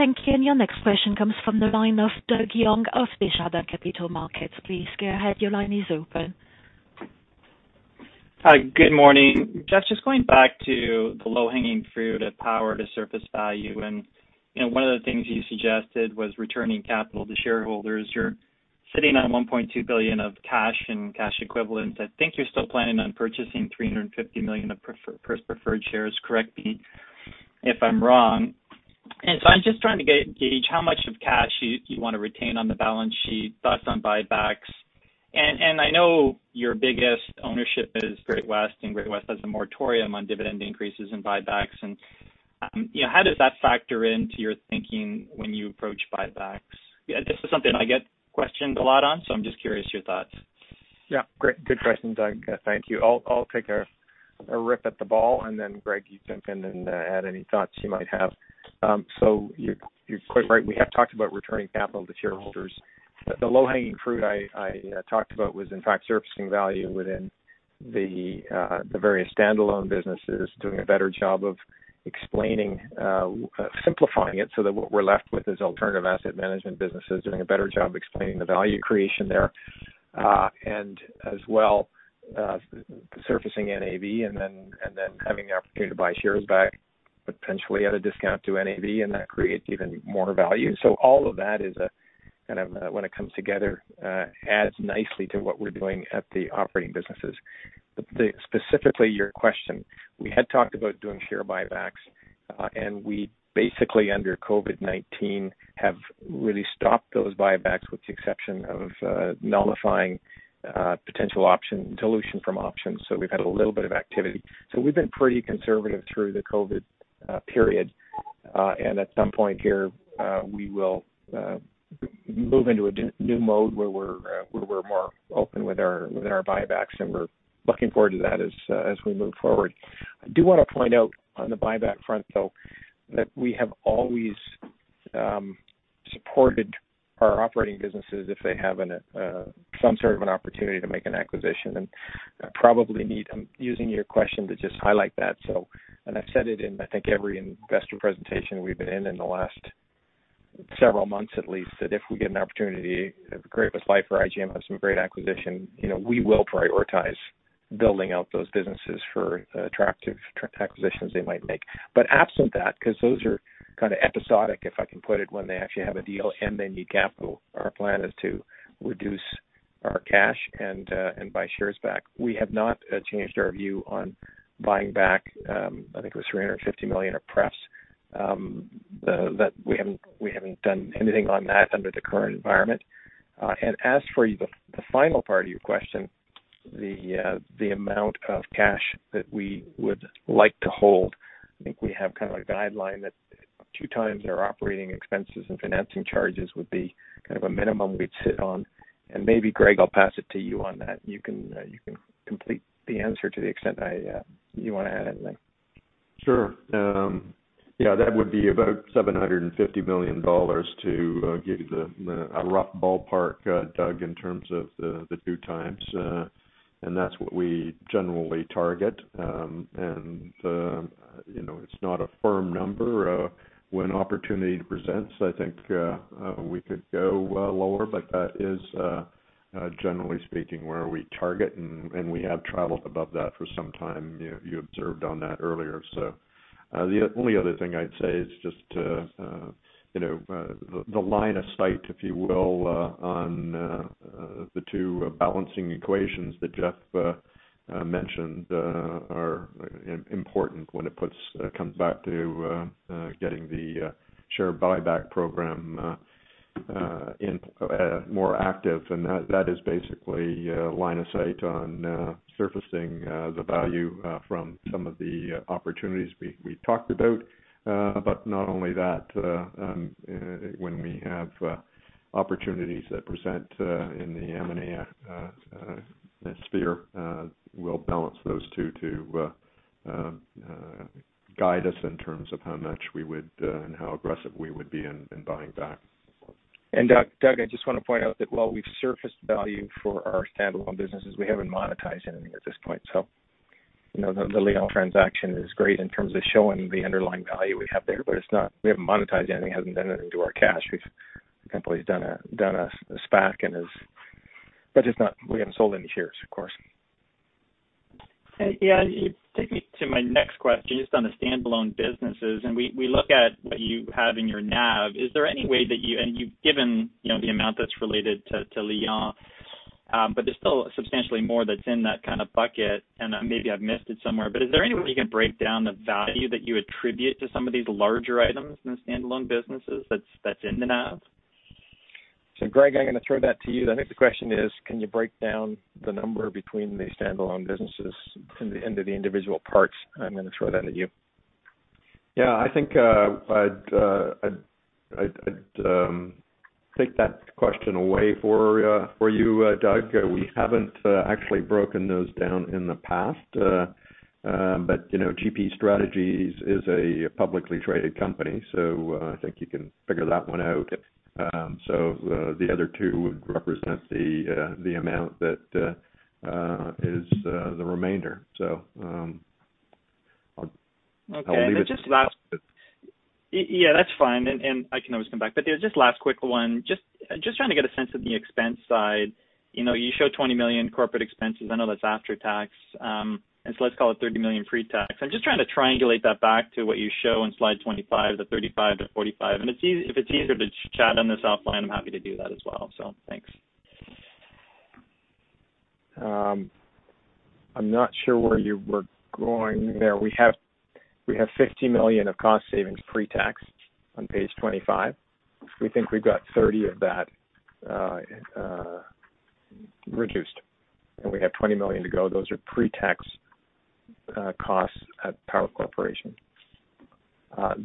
Speaker 1: Thank you. And your next question comes from the line of Doug Young of Desjardins Capital Markets. Please go ahead. Your line is open.
Speaker 5: Hi. Good morning. Jeff, just going back to the low-hanging fruit at Power to surface value. One of the things you suggested was returning capital to shareholders. You're sitting on 1.2 billion of cash and cash equivalents. I think you're still planning on purchasing 350 million of preferred shares. Correct me if I'm wrong. I'm just trying to gauge how much cash you want to retain on the balance sheet, thoughts on buybacks. I know your biggest ownership is Great-West. Great-West has a moratorium on dividend increases and buybacks. How does that factor into your thinking when you approach buybacks? This is something I get questioned a lot on. I'm just curious your thoughts.
Speaker 2: Yeah. Great. Good question, Doug. Thank you. I'll take a rip at the ball. And then, Greg, you jump in and add any thoughts you might have. So you're quite right. We have talked about returning capital to shareholders. The low-hanging fruit I talked about was, in fact, surfacing value within the various standalone businesses, doing a better job of explaining, simplifying it so that what we're left with is alternative asset management businesses, doing a better job of explaining the value creation there. And as well, surfacing NAV and then having the opportunity to buy shares back, potentially at a discount to NAV. And that creates even more value. So all of that is kind of, when it comes together, adds nicely to what we're doing at the operating businesses. Specifically, your question, we had talked about doing share buybacks. And we basically, under COVID-19, have really stopped those buybacks with the exception of nullifying potential dilution from options. So we've had a little bit of activity. So we've been pretty conservative through the COVID period. And at some point here, we will move into a new mode where we're more open with our buybacks. And we're looking forward to that as we move forward. I do want to point out on the buyback front, though, that we have always supported our operating businesses if they have some sort of an opportunity to make an acquisition. And I probably need, using your question, to just highlight that. And I've said it in, I think, every investor presentation we've been in the last several months at least, that if we get an opportunity, Great-West Lifeco or IGM have some great acquisition, we will prioritize building out those businesses for attractive acquisitions they might make. But absent that, because those are kind of episodic, if I can put it, when they actually have a deal and they need capital, our plan is to reduce our cash and buy shares back. We have not changed our view on buying back, I think it was 350 million of prefs. We haven't done anything on that under the current environment. And as for the final part of your question, the amount of cash that we would like to hold, I think we have kind of a guideline that two times our operating expenses and financing charges would be kind of a minimum we'd sit on. And maybe, Greg, I'll pass it to you on that. And you can complete the answer to the extent you want to add anything.
Speaker 3: Sure. Yeah. That would be about 50 million dollars to give you a rough ballpark, Doug, in terms of the two times. And that's what we generally target. And it's not a firm number. When opportunity presents, I think we could go lower. But that is, generally speaking, where we target. And we have traveled above that for some time. You observed on that earlier. So the only other thing I'd say is just the line of sight, if you will, on the two balancing equations that Jeff mentioned are important when it comes back to getting the share buyback program more active. And that is basically line of sight on surfacing the value from some of the opportunities we talked about. But not only that, when we have opportunities that present in the M&A sphere, we'll balance those two to guide us in terms of how much we would and how aggressive we would be in buying back.
Speaker 2: Doug, I just want to point out that while we've surfaced value for our standalone businesses, we haven't monetized anything at this point. So the Lion transaction is great in terms of showing the underlying value we have there. But we haven't monetized anything. We haven't done it into our cash. The company's done a SPAC and has, but we haven't sold any shares, of course.
Speaker 5: Yeah. You take me to my next question, just on the standalone businesses. And we look at what you have in your NAV. Is there any way that you and you've given the amount that's related to Lion. But there's still substantially more that's in that kind of bucket. And maybe I've missed it somewhere. But is there any way you can break down the value that you attribute to some of these larger items in the standalone businesses that's in the NAV?
Speaker 2: So Greg, I'm going to throw that to you. I think the question is, can you break down the number between the standalone businesses into the individual parts? I'm going to throw that at you.
Speaker 3: Yeah. I think I'd take that question away for you, Doug. We haven't actually broken those down in the past. But GP Strategies is a publicly traded company. So I think you can figure that one out. So the other two would represent the amount that is the remainder. So I'll leave it to you.
Speaker 5: Okay. Yeah. That's fine. And I can always come back. But just last quick one, just trying to get a sense of the expense side. You show 20 million corporate expenses. I know that's after tax. And so let's call it 30 million pre-tax. I'm just trying to triangulate that back to what you show in slide 25, the 35 million-45 million. And if it's easier to chat on this offline, I'm happy to do that as well. So thanks.
Speaker 2: I'm not sure where you were going there. We have 50 million of cost savings pre-tax on page 25. We think we've got 30 of that reduced. And we have 20 million to go. Those are pre-tax costs at Power Corporation.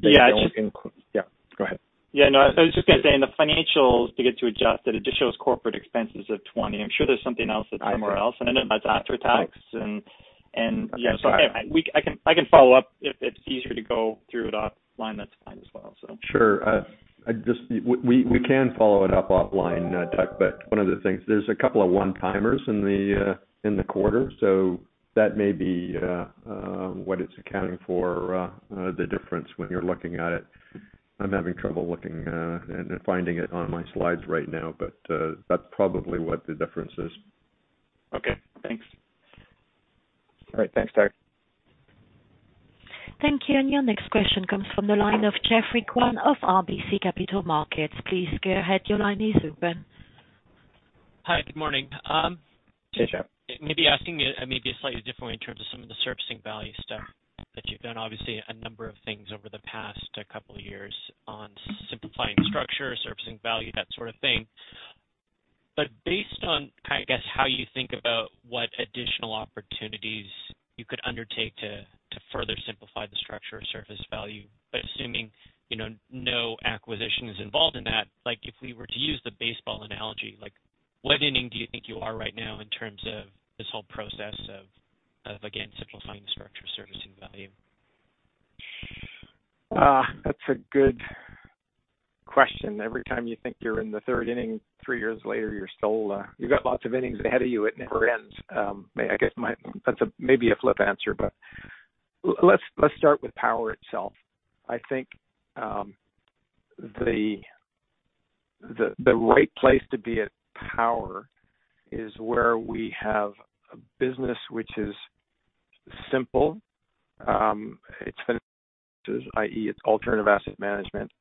Speaker 5: Yeah.
Speaker 2: Yeah. Go ahead.
Speaker 5: Yeah. No. I was just going to say in the financials, to get you adjusted, it just shows corporate expenses of 20. I'm sure there's something else that's somewhere else, and I know that's after tax. Yeah, so I can follow up. If it's easier to go through it offline, that's fine as well.
Speaker 2: Sure. We can follow it up offline, Doug. But one of the things, there's a couple of one-timers in the quarter. So that may be what it's accounting for, the difference when you're looking at it. I'm having trouble looking and finding it on my slides right now. But that's probably what the difference is.
Speaker 5: Okay. Thanks.
Speaker 2: All right. Thanks, Doug.
Speaker 1: Thank you. And your next question comes from the line of Geoffrey Kwan of RBC Capital Markets. Please go ahead. Your line is open.
Speaker 6: Hi. Good morning.
Speaker 2: Hey, Geoff.
Speaker 6: Maybe asking it a slightly different way in terms of some of the surfacing value stuff that you've done. Obviously, a number of things over the past couple of years on simplifying structure, surfacing value, that sort of thing, but based on, I guess, how you think about what additional opportunities you could undertake to further simplify the structure or surface value, but assuming no acquisition is involved in that, if we were to use the baseball analogy, what inning do you think you are right now in terms of this whole process of, again, simplifying the structure of surfacing value?
Speaker 2: That's a good question. Every time you think you're in the third inning, three years later, you've got lots of innings ahead of you. It never ends. I guess that's maybe a flip answer. But let's start with Power itself. I think the right place to be at Power is where we have a business which is simple. It's finances, i.e., it's alternative asset management.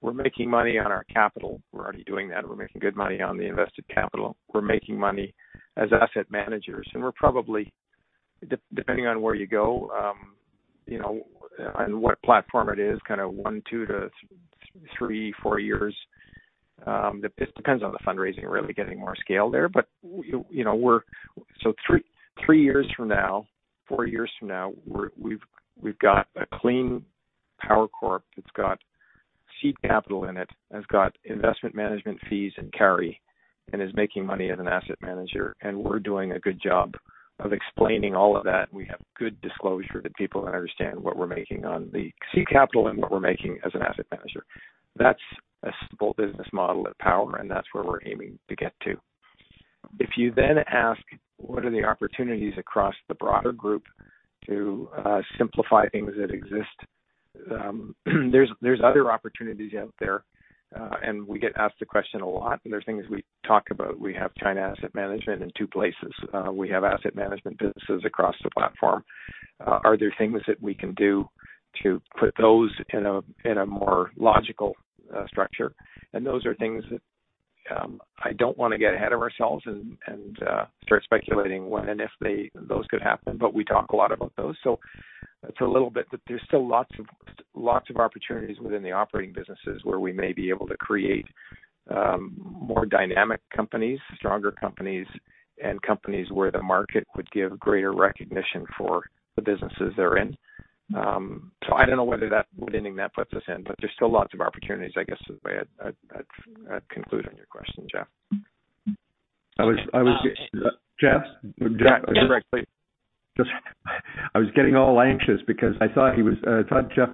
Speaker 2: We're making money on our capital. We're already doing that. We're making good money on the invested capital. We're making money as asset managers. And we're probably, depending on where you go and what platform it is, kind of one, two to three, four years. It depends on the fundraising, really, getting more scale there. Three years from now, four years from now, we've got a clean Power Corp that's got seed capital in it, has got investment management fees and carry, and is making money as an asset manager. We're doing a good job of explaining all of that. We have good disclosure that people understand what we're making on the seed capital and what we're making as an asset manager. That's a simple business model at Power. That's where we're aiming to get to. If you then ask, what are the opportunities across the broader group to simplify things that exist? There are other opportunities out there. We get asked the question a lot. There are things we talk about. We have China Asset Management in two places. We have asset management businesses across the platform. Are there things that we can do to put those in a more logical structure? And those are things that I don't want to get ahead of ourselves and start speculating when and if those could happen. But we talk a lot about those. So it's a little bit that there's still lots of opportunities within the operating businesses where we may be able to create more dynamic companies, stronger companies, and companies where the market would give greater recognition for the businesses they're in. So I don't know whether that puts us in what inning. But there's still lots of opportunities, I guess, is the way I'd conclude on your question, Jeff.
Speaker 3: Jeff?
Speaker 2: Yeah. Go ahead, Greg, please.
Speaker 3: I was getting all anxious because I thought Geoff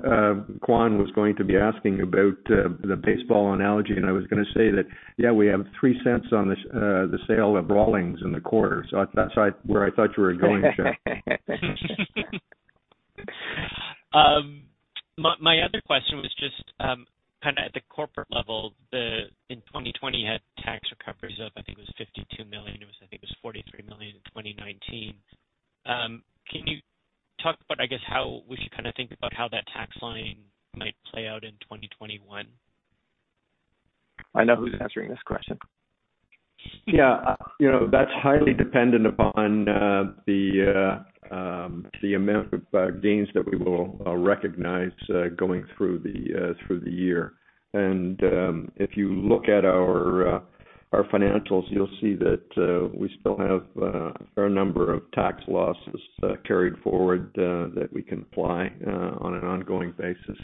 Speaker 3: Kwan was going to be asking about the baseball analogy, and I was going to say that, yeah, we have 0.03 on the sale of Rawlings in the quarter, so that's where I thought you were going, Geoff.
Speaker 6: My other question was just kind of at the corporate level. In 2020, you had tax recoveries of, I think it was 52 million. It was, I think it was 43 million in 2019. Can you talk about, I guess, how we should kind of think about how that tax line might play out in 2021?
Speaker 2: I know who's answering this question.
Speaker 3: Yeah. That's highly dependent upon the amount of gains that we will recognize going through the year, and if you look at our financials, you'll see that we still have a fair number of tax losses carried forward that we can apply on an ongoing basis,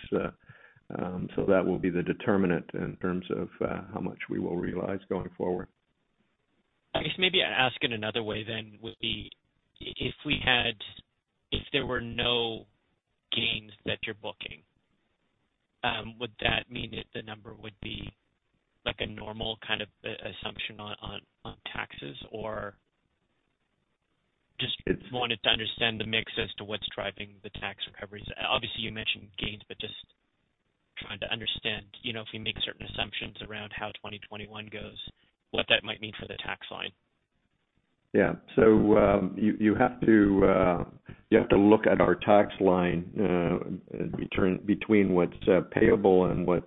Speaker 3: so that will be the determinant in terms of how much we will realize going forward.
Speaker 6: Okay. So maybe ask it another way then. If there were no gains that you're booking, would that mean that the number would be a normal kind of assumption on taxes? Or just wanted to understand the mix as to what's driving the tax recoveries. Obviously, you mentioned gains, but just trying to understand if we make certain assumptions around how 2021 goes, what that might mean for the tax line.
Speaker 3: Yeah. So you have to look at our tax line between what's payable and what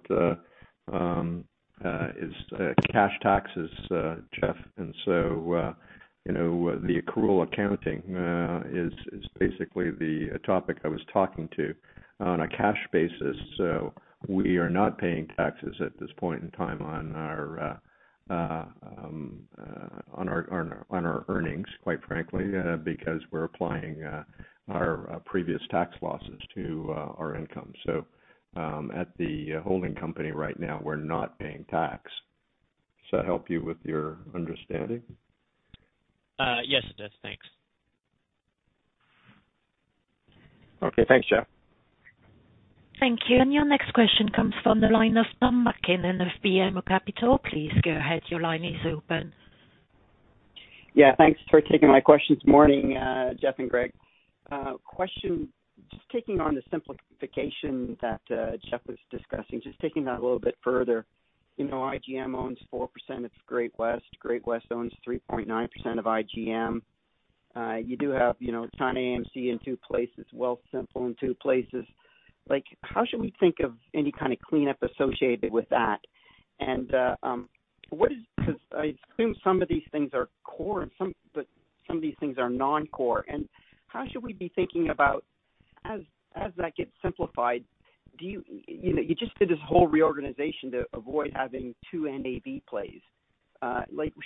Speaker 3: is cash taxes, Geoff. And so the accrual accounting is basically the topic I was talking to on a cash basis. So we are not paying taxes at this point in time on our earnings, quite frankly, because we're applying our previous tax losses to our income. So at the holding company right now, we're not paying tax. Does that help you with your understanding?
Speaker 6: Yes, it does. Thanks.
Speaker 2: Okay. Thanks, Geoff.
Speaker 1: Thank you. And your next question comes from the line of Tom MacKinnon with BMO Capital. Please go ahead. Your line is open.
Speaker 7: Yeah. Thanks for taking my questions, morning, Jeff and Greg. Just taking on the simplification that Jeff was discussing, just taking that a little bit further. IGM owns 4% of Great-West. Great-West owns 3.9% of IGM. You do have China AMC in two places, Wealthsimple in two places. How should we think of any kind of cleanup associated with that? And because I assume some of these things are core, but some of these things are non-core, and how should we be thinking about as that gets simplified? You just did this whole reorganization to avoid having two NAV plays.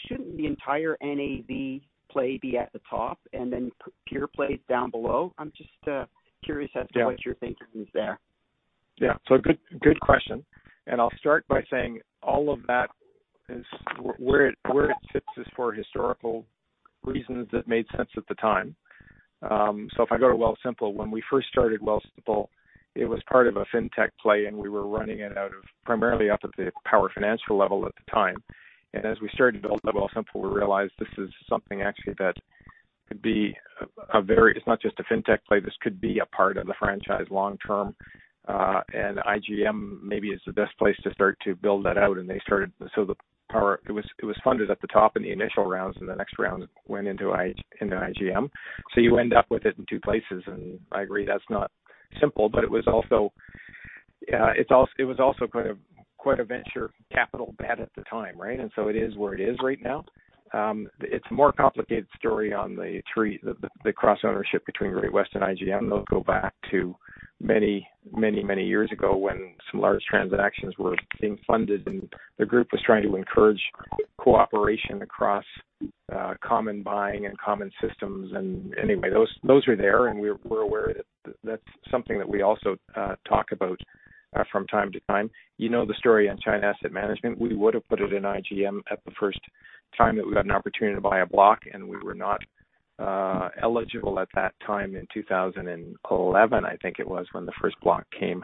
Speaker 7: Shouldn't the entire NAV play be at the top and then pure plays down below? I'm just curious as to what you're thinking is there.
Speaker 2: Yeah. So good question. And I'll start by saying all of that, where it sits is for historical reasons that made sense at the time. So if I go to Wealthsimple, when we first started Wealthsimple, it was part of a fintech play. And we were running it primarily off of the Power Financial level at the time. And as we started to build the Wealthsimple, we realized this is something actually that could be a very it's not just a fintech play. This could be a part of the franchise long-term. And IGM maybe is the best place to start to build that out. And they started, so it was funded at the top in the initial rounds. And the next round went into IGM. So you end up with it in two places. And I agree that's not simple. It was also quite a venture capital bet at the time, right, and so it is where it is right now. It's a more complicated story on the cross-ownership between Great-West and IGM. They'll go back to many, many, many years ago when some large transactions were being funded, and the group was trying to encourage cooperation across common buying and common systems, and anyway, those are there, and we're aware that that's something that we also talk about from time to time. You know the story on China Asset Management. We would have put it in IGM at the first time that we got an opportunity to buy a block. We were not eligible at that time in 2011, I think it was, when the first block came.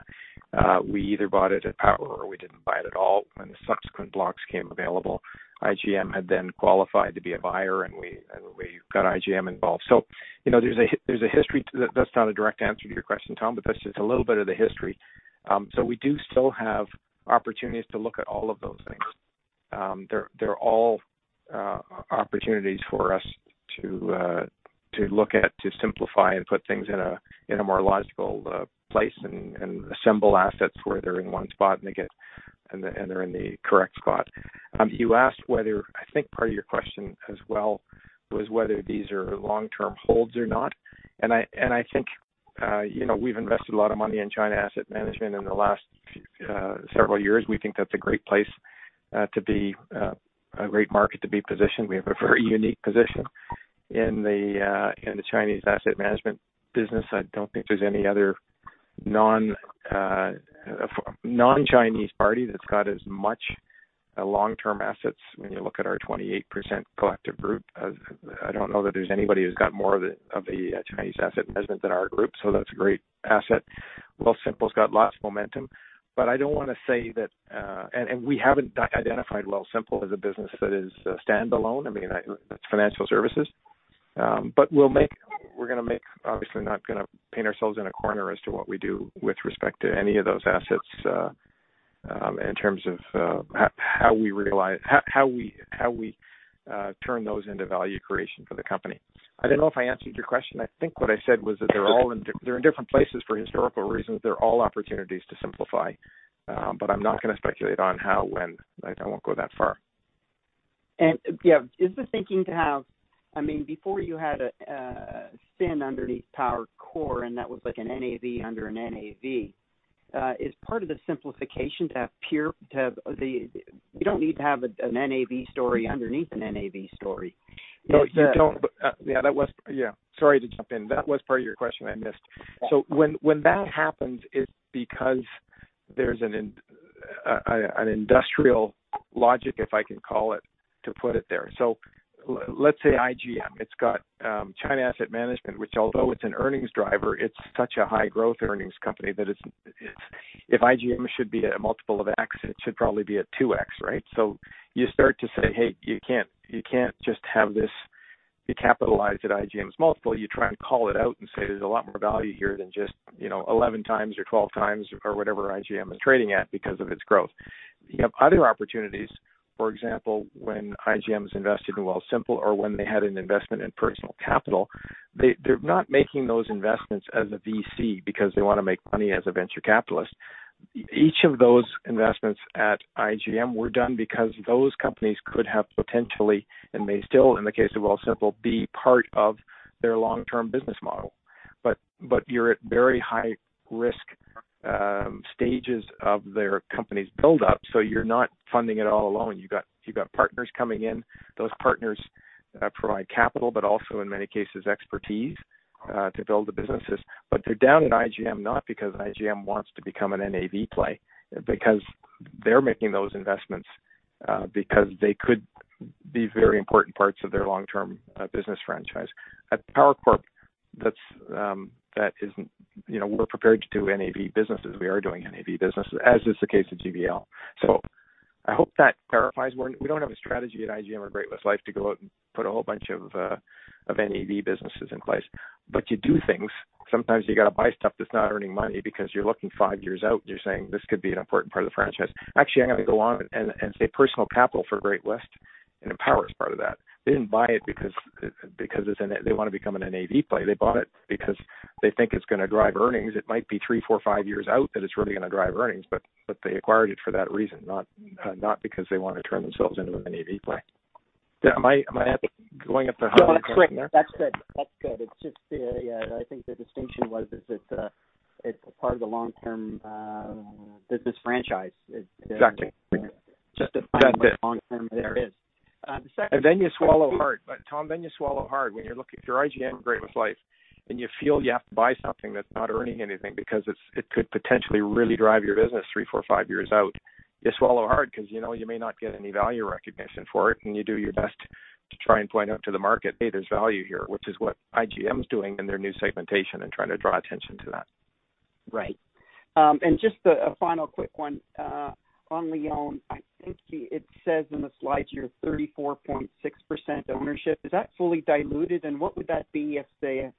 Speaker 2: We either bought it at Power or we didn't buy it at all when the subsequent blocks came available. IGM had then qualified to be a buyer. And we got IGM involved. So there's a history that's not a direct answer to your question, Tom, but that's just a little bit of the history. So we do still have opportunities to look at all of those things. They're all opportunities for us to look at, to simplify, and put things in a more logical place and assemble assets where they're in one spot and they're in the correct spot. You asked whether I think part of your question as well was whether these are long-term holds or not. And I think we've invested a lot of money in China Asset Management in the last several years. We think that's a great place to be a great market to be positioned. We have a very unique position in the Chinese asset management business. I don't think there's any other non-Chinese party that's got as much long-term assets when you look at our 28% collective group. I don't know that there's anybody who's got more of the Chinese asset management than our group. So that's a great asset. Wealthsimple's got lots of momentum. But I don't want to say that and we haven't identified Wealthsimple as a business that is standalone. I mean, it's financial services. But we're going to make, obviously, not going to paint ourselves in a corner as to what we do with respect to any of those assets in terms of how we realize how we turn those into value creation for the company. I don't know if I answered your question. I think what I said was that they're all in different places for historical reasons. They're all opportunities to simplify. But I'm not going to speculate on how, when. I won't go that far.
Speaker 7: Yeah, is the thinking to have? I mean, before you had a sub underneath Power Corp, and that was like an NAV under an NAV. Is part of the simplification to have pure? We don't need to have an NAV story underneath an NAV story.
Speaker 2: Yeah. Sorry to jump in. That was part of your question I missed. So when that happens, it's because there's an industrial logic, if I can call it, to put it there. So let's say IGM. It's got China Asset Management, which although it's an earnings driver, it's such a high-growth earnings company that if IGM should be a multiple of X, it should probably be a 2X, right? So you start to say, "Hey, you can't just have this capitalized at IGM's multiple." You try and call it out and say, "There's a lot more value here than just 11 times or 12 times or whatever IGM is trading at because of its growth." You have other opportunities. For example, when IGM is invested in Wealthsimple or when they had an investment in Personal Capital, they're not making those investments as a VC because they want to make money as a venture capitalist. Each of those investments at IGM were done because those companies could have potentially, and may still, in the case of Wealthsimple, be part of their long-term business model. But you're at very high-risk stages of their company's buildup. So you're not funding it all alone. You've got partners coming in. Those partners provide capital, but also, in many cases, expertise to build the businesses. But they're down at IGM not because IGM wants to become an NAV play because they're making those investments because they could be very important parts of their long-term business franchise. At Power Corp, that isn't we're prepared to do NAV businesses. We are doing NAV businesses, as is the case at GWL. So I hope that clarifies. We don't have a strategy at IGM or Great-West Lifeco to go out and put a whole bunch of NAV businesses in place. But you do things. Sometimes you got to buy stuff that's not earning money because you're looking five years out. And you're saying, "This could be an important part of the franchise." Actually, I'm going to go on and say Personal Capital for Great-West Lifeco and Power is part of that. They didn't buy it because they want to become an NAV play. They bought it because they think it's going to drive earnings. It might be three, four, five years out that it's really going to drive earnings. But they acquired it for that reason, not because they want to turn themselves into an NAV play. Am I going up the hierarchy in there?
Speaker 7: That's good. That's good. It's just, yeah, I think the distinction was it's part of the long-term business franchise.
Speaker 2: Exactly.
Speaker 7: Just a long-term there is.
Speaker 2: And then you swallow hard. Tom, then you swallow hard. When you're looking for IGM, Great-West Lifeco, and you feel you have to buy something that's not earning anything because it could potentially really drive your business three, four, five years out, you swallow hard because you may not get any value recognition for it. And you do your best to try and point out to the market, "Hey, there's value here," which is what IGM is doing in their new segmentation and trying to draw attention to that.
Speaker 7: Right. And just a final quick one. On Lion, I think it says in the slides you're 34.6% ownership. Is that fully diluted? And what would that be if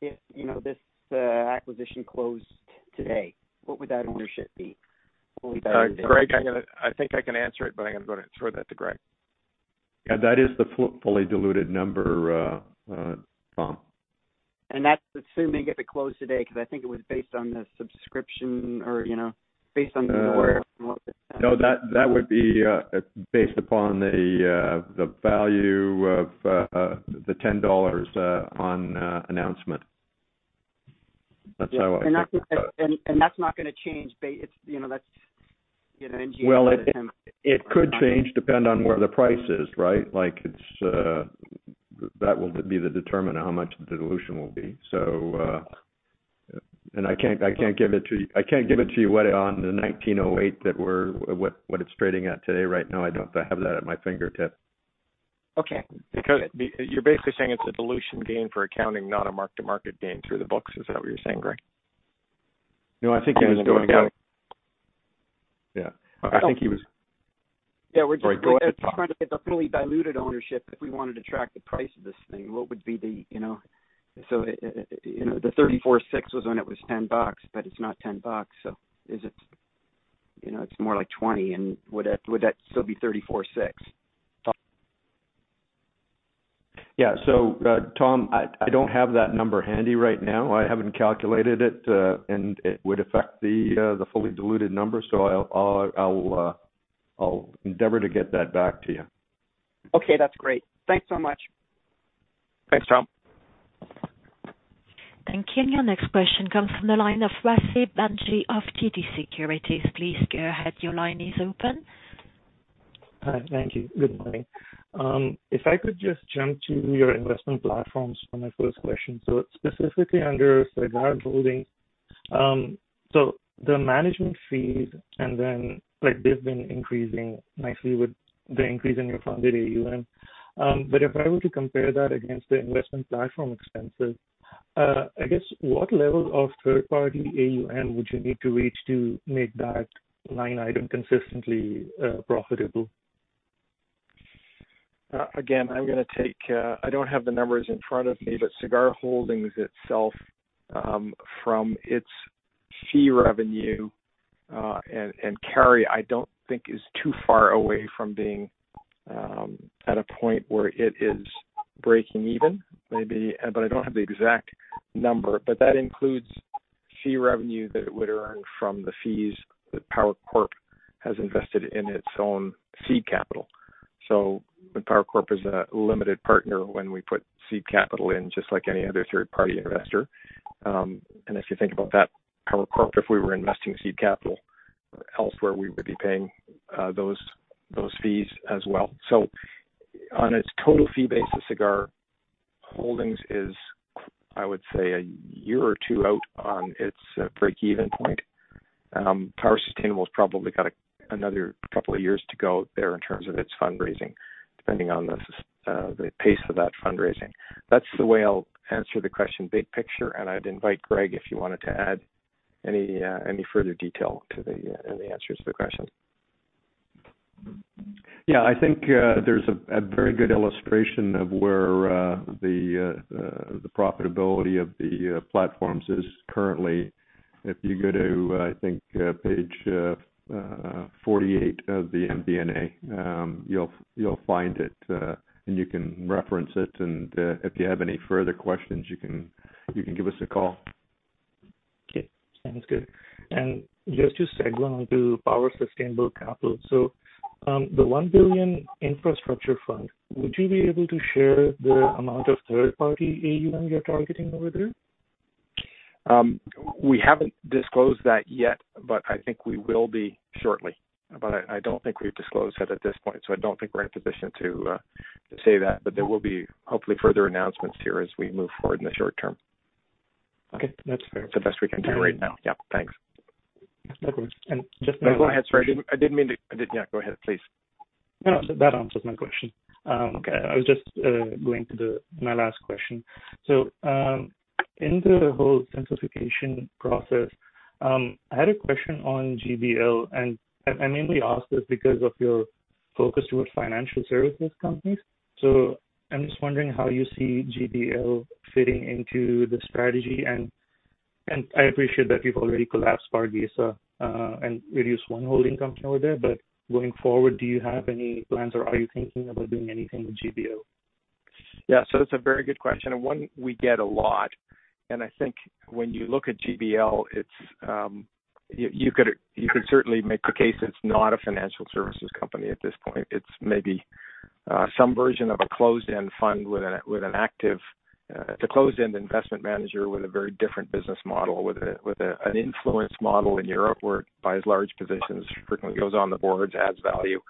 Speaker 7: this acquisition closed today?
Speaker 2: Greg, I think I can answer it, but I'm going to go ahead and throw that to Greg.
Speaker 3: Yeah. That is the fully diluted number, Tom.
Speaker 7: That's assuming if it closed today because I think it was based on the subscription or based on the order and what was.
Speaker 3: No, that would be based upon the value of the 10 dollars on announcement. That's how I see it.
Speaker 7: And that's not going to change based. That's IGM's content.
Speaker 3: It could change depending on where the price is, right? That will be the determinant of how much the dilution will be. I can't give it to you yet on the 19.08 that we're at. What it's trading at today right now. I don't have that at my fingertips.
Speaker 7: Okay. You're basically saying it's a dilution gain for accounting, not a mark-to-market gain through the books. Is that what you're saying, Greg?
Speaker 3: No, I think he was going out.
Speaker 7: Yeah.
Speaker 3: I think he was.
Speaker 7: Yeah. We're just going to try to get the fully diluted ownership. If we wanted to track the price of this thing, what would be the so the 34.6 was when it was 10 bucks, but it's not 10 bucks. So it's more like 20. And would that still be 34.6?
Speaker 3: Yeah. So Tom, I don't have that number handy right now. I haven't calculated it. And it would affect the fully diluted number. So I'll endeavor to get that back to you.
Speaker 7: Okay. That's great. Thanks so much.
Speaker 2: Thanks, Tom.
Speaker 1: And Kenya, next question comes from the line of Graham Ryding of TD Securities. Please go ahead. Your line is open.
Speaker 8: Hi. Thank you. Good morning. If I could just jump to your investment platforms for my first question. So specifically under Sagard Holdings, so the management fees and then they've been increasing nicely with the increase in your funded AUM. But if I were to compare that against the investment platform expenses, I guess what level of third-party AUM would you need to reach to make that line item consistently profitable?
Speaker 2: Again, I don't have the numbers in front of me. But Sagard Holdings itself, from its fee revenue and carry, I don't think is too far away from being at a point where it is breaking even. But I don't have the exact number. But that includes fee revenue that it would earn from the fees that Power Corp has invested in its own seed capital. So Power Corp is a limited partner when we put seed capital in, just like any other third-party investor. And if you think about that, Power Corp, if we were investing seed capital elsewhere, we would be paying those fees as well. So on its total fee basis, Sagard Holdings is, I would say, a year or two out on its break-even point. Power Sustainable has probably got another couple of years to go there in terms of its fundraising, depending on the pace of that fundraising. That's the way I'll answer the question big picture. And I'd invite Greg if you wanted to add any further detail to the answers to the question.
Speaker 3: Yeah. I think there's a very good illustration of where the profitability of the platforms is currently. If you go to, I think, page 48 of the MD&A, you'll find it, and you can reference it, and if you have any further questions, you can give us a call.
Speaker 8: Okay. Sounds good. And just to segue on to Power Sustainable Capital. So the 1 billion infrastructure fund, would you be able to share the amount of third-party AUM you're targeting over there?
Speaker 2: We haven't disclosed that yet, but I think we will be shortly. But I don't think we've disclosed that at this point. So I don't think we're in a position to say that. But there will be hopefully further announcements here as we move forward in the short term.
Speaker 8: Okay. That's fair.
Speaker 2: It's the best we can do right now. Yeah. Thanks.
Speaker 8: No worries. And just.
Speaker 3: Go ahead, Freddie. I didn't mean to, yeah. Go ahead, please.
Speaker 8: No, no. That answers my question. I was just going to my last question. So in the whole simplification process, I had a question on GWL. And I mainly asked this because of your focus towards financial services companies. So I'm just wondering how you see GWL fitting into the strategy. And I appreciate that you've already collapsed Pargesa and reduced one holding company over there. But going forward, do you have any plans or are you thinking about doing anything with GWL?
Speaker 2: Yeah. It's a very good question. One we get a lot. And I think when you look at GBL, you could certainly make the case it's not a financial services company at this point. It's maybe some version of a closed-end fund. It's a closed-end investment manager with a very different business model, with an influence model in Europe where it buys large positions, frequently goes on the boards, adds value.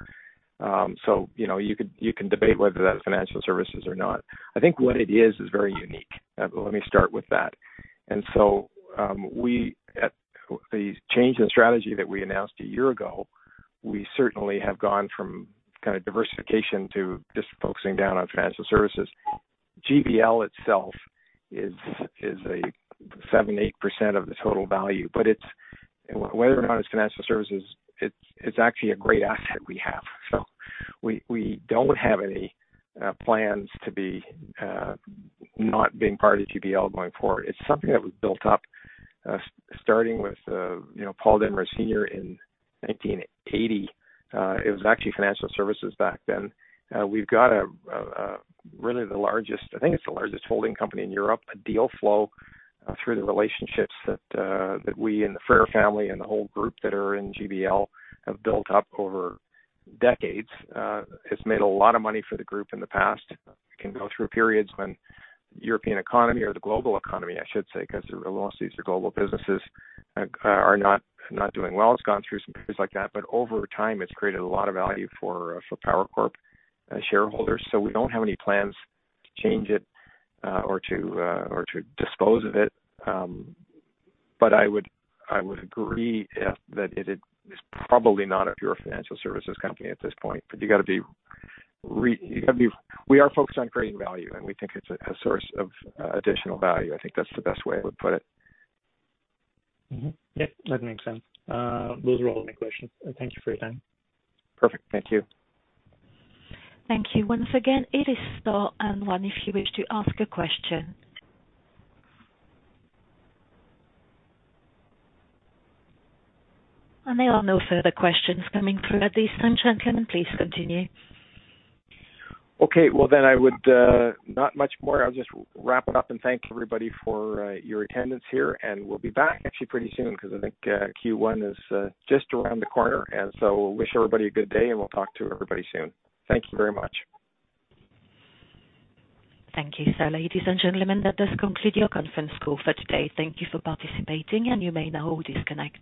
Speaker 2: So you can debate whether that's financial services or not. I think what it is is very unique. Let me start with that. The change in strategy that we announced a year ago, we certainly have gone from kind of diversification to just focusing down on financial services. GBL itself is 7%, 8% of the total value. But whether or not it's financial services, it's actually a great asset we have. So we don't have any plans to be not being part of GBL going forward. It's something that was built up starting with Paul Desmarais, Sr. in 1980. It was actually financial services back then. We've got really the largest I think it's the largest holding company in Europe. A deal flow through the relationships that we and the Frère family and the whole group that are in GBL have built up over decades. It's made a lot of money for the group in the past. It can go through periods when the European economy or the global economy, I should say, because the real estates or global businesses are not doing well. It's gone through some periods like that. But over time, it's created a lot of value for Power Corp shareholders. So we don't have any plans to change it or to dispose of it. But I would agree that it is probably not a pure financial services company at this point. But you've got to be. We are focused on creating value, and we think it's a source of additional value. I think that's the best way I would put it.
Speaker 8: Yep. That makes sense. Those were all my questions. Thank you for your time.
Speaker 2: Perfect. Thank you.
Speaker 1: Thank you once again. It is still open if you wish to ask a question. There are no further questions coming through at this time, gentlemen. Please continue.
Speaker 2: Okay. Well, then I won't say much more. I'll just wrap it up and thank everybody for your attendance here, and we'll be back actually pretty soon because I think Q1 is just around the corner, and so wish everybody a good day, and we'll talk to everybody soon. Thank you very much.
Speaker 1: Thank you, sir. Ladies and gentlemen, that does conclude your conference call for today. Thank you for participating. You may now all disconnect.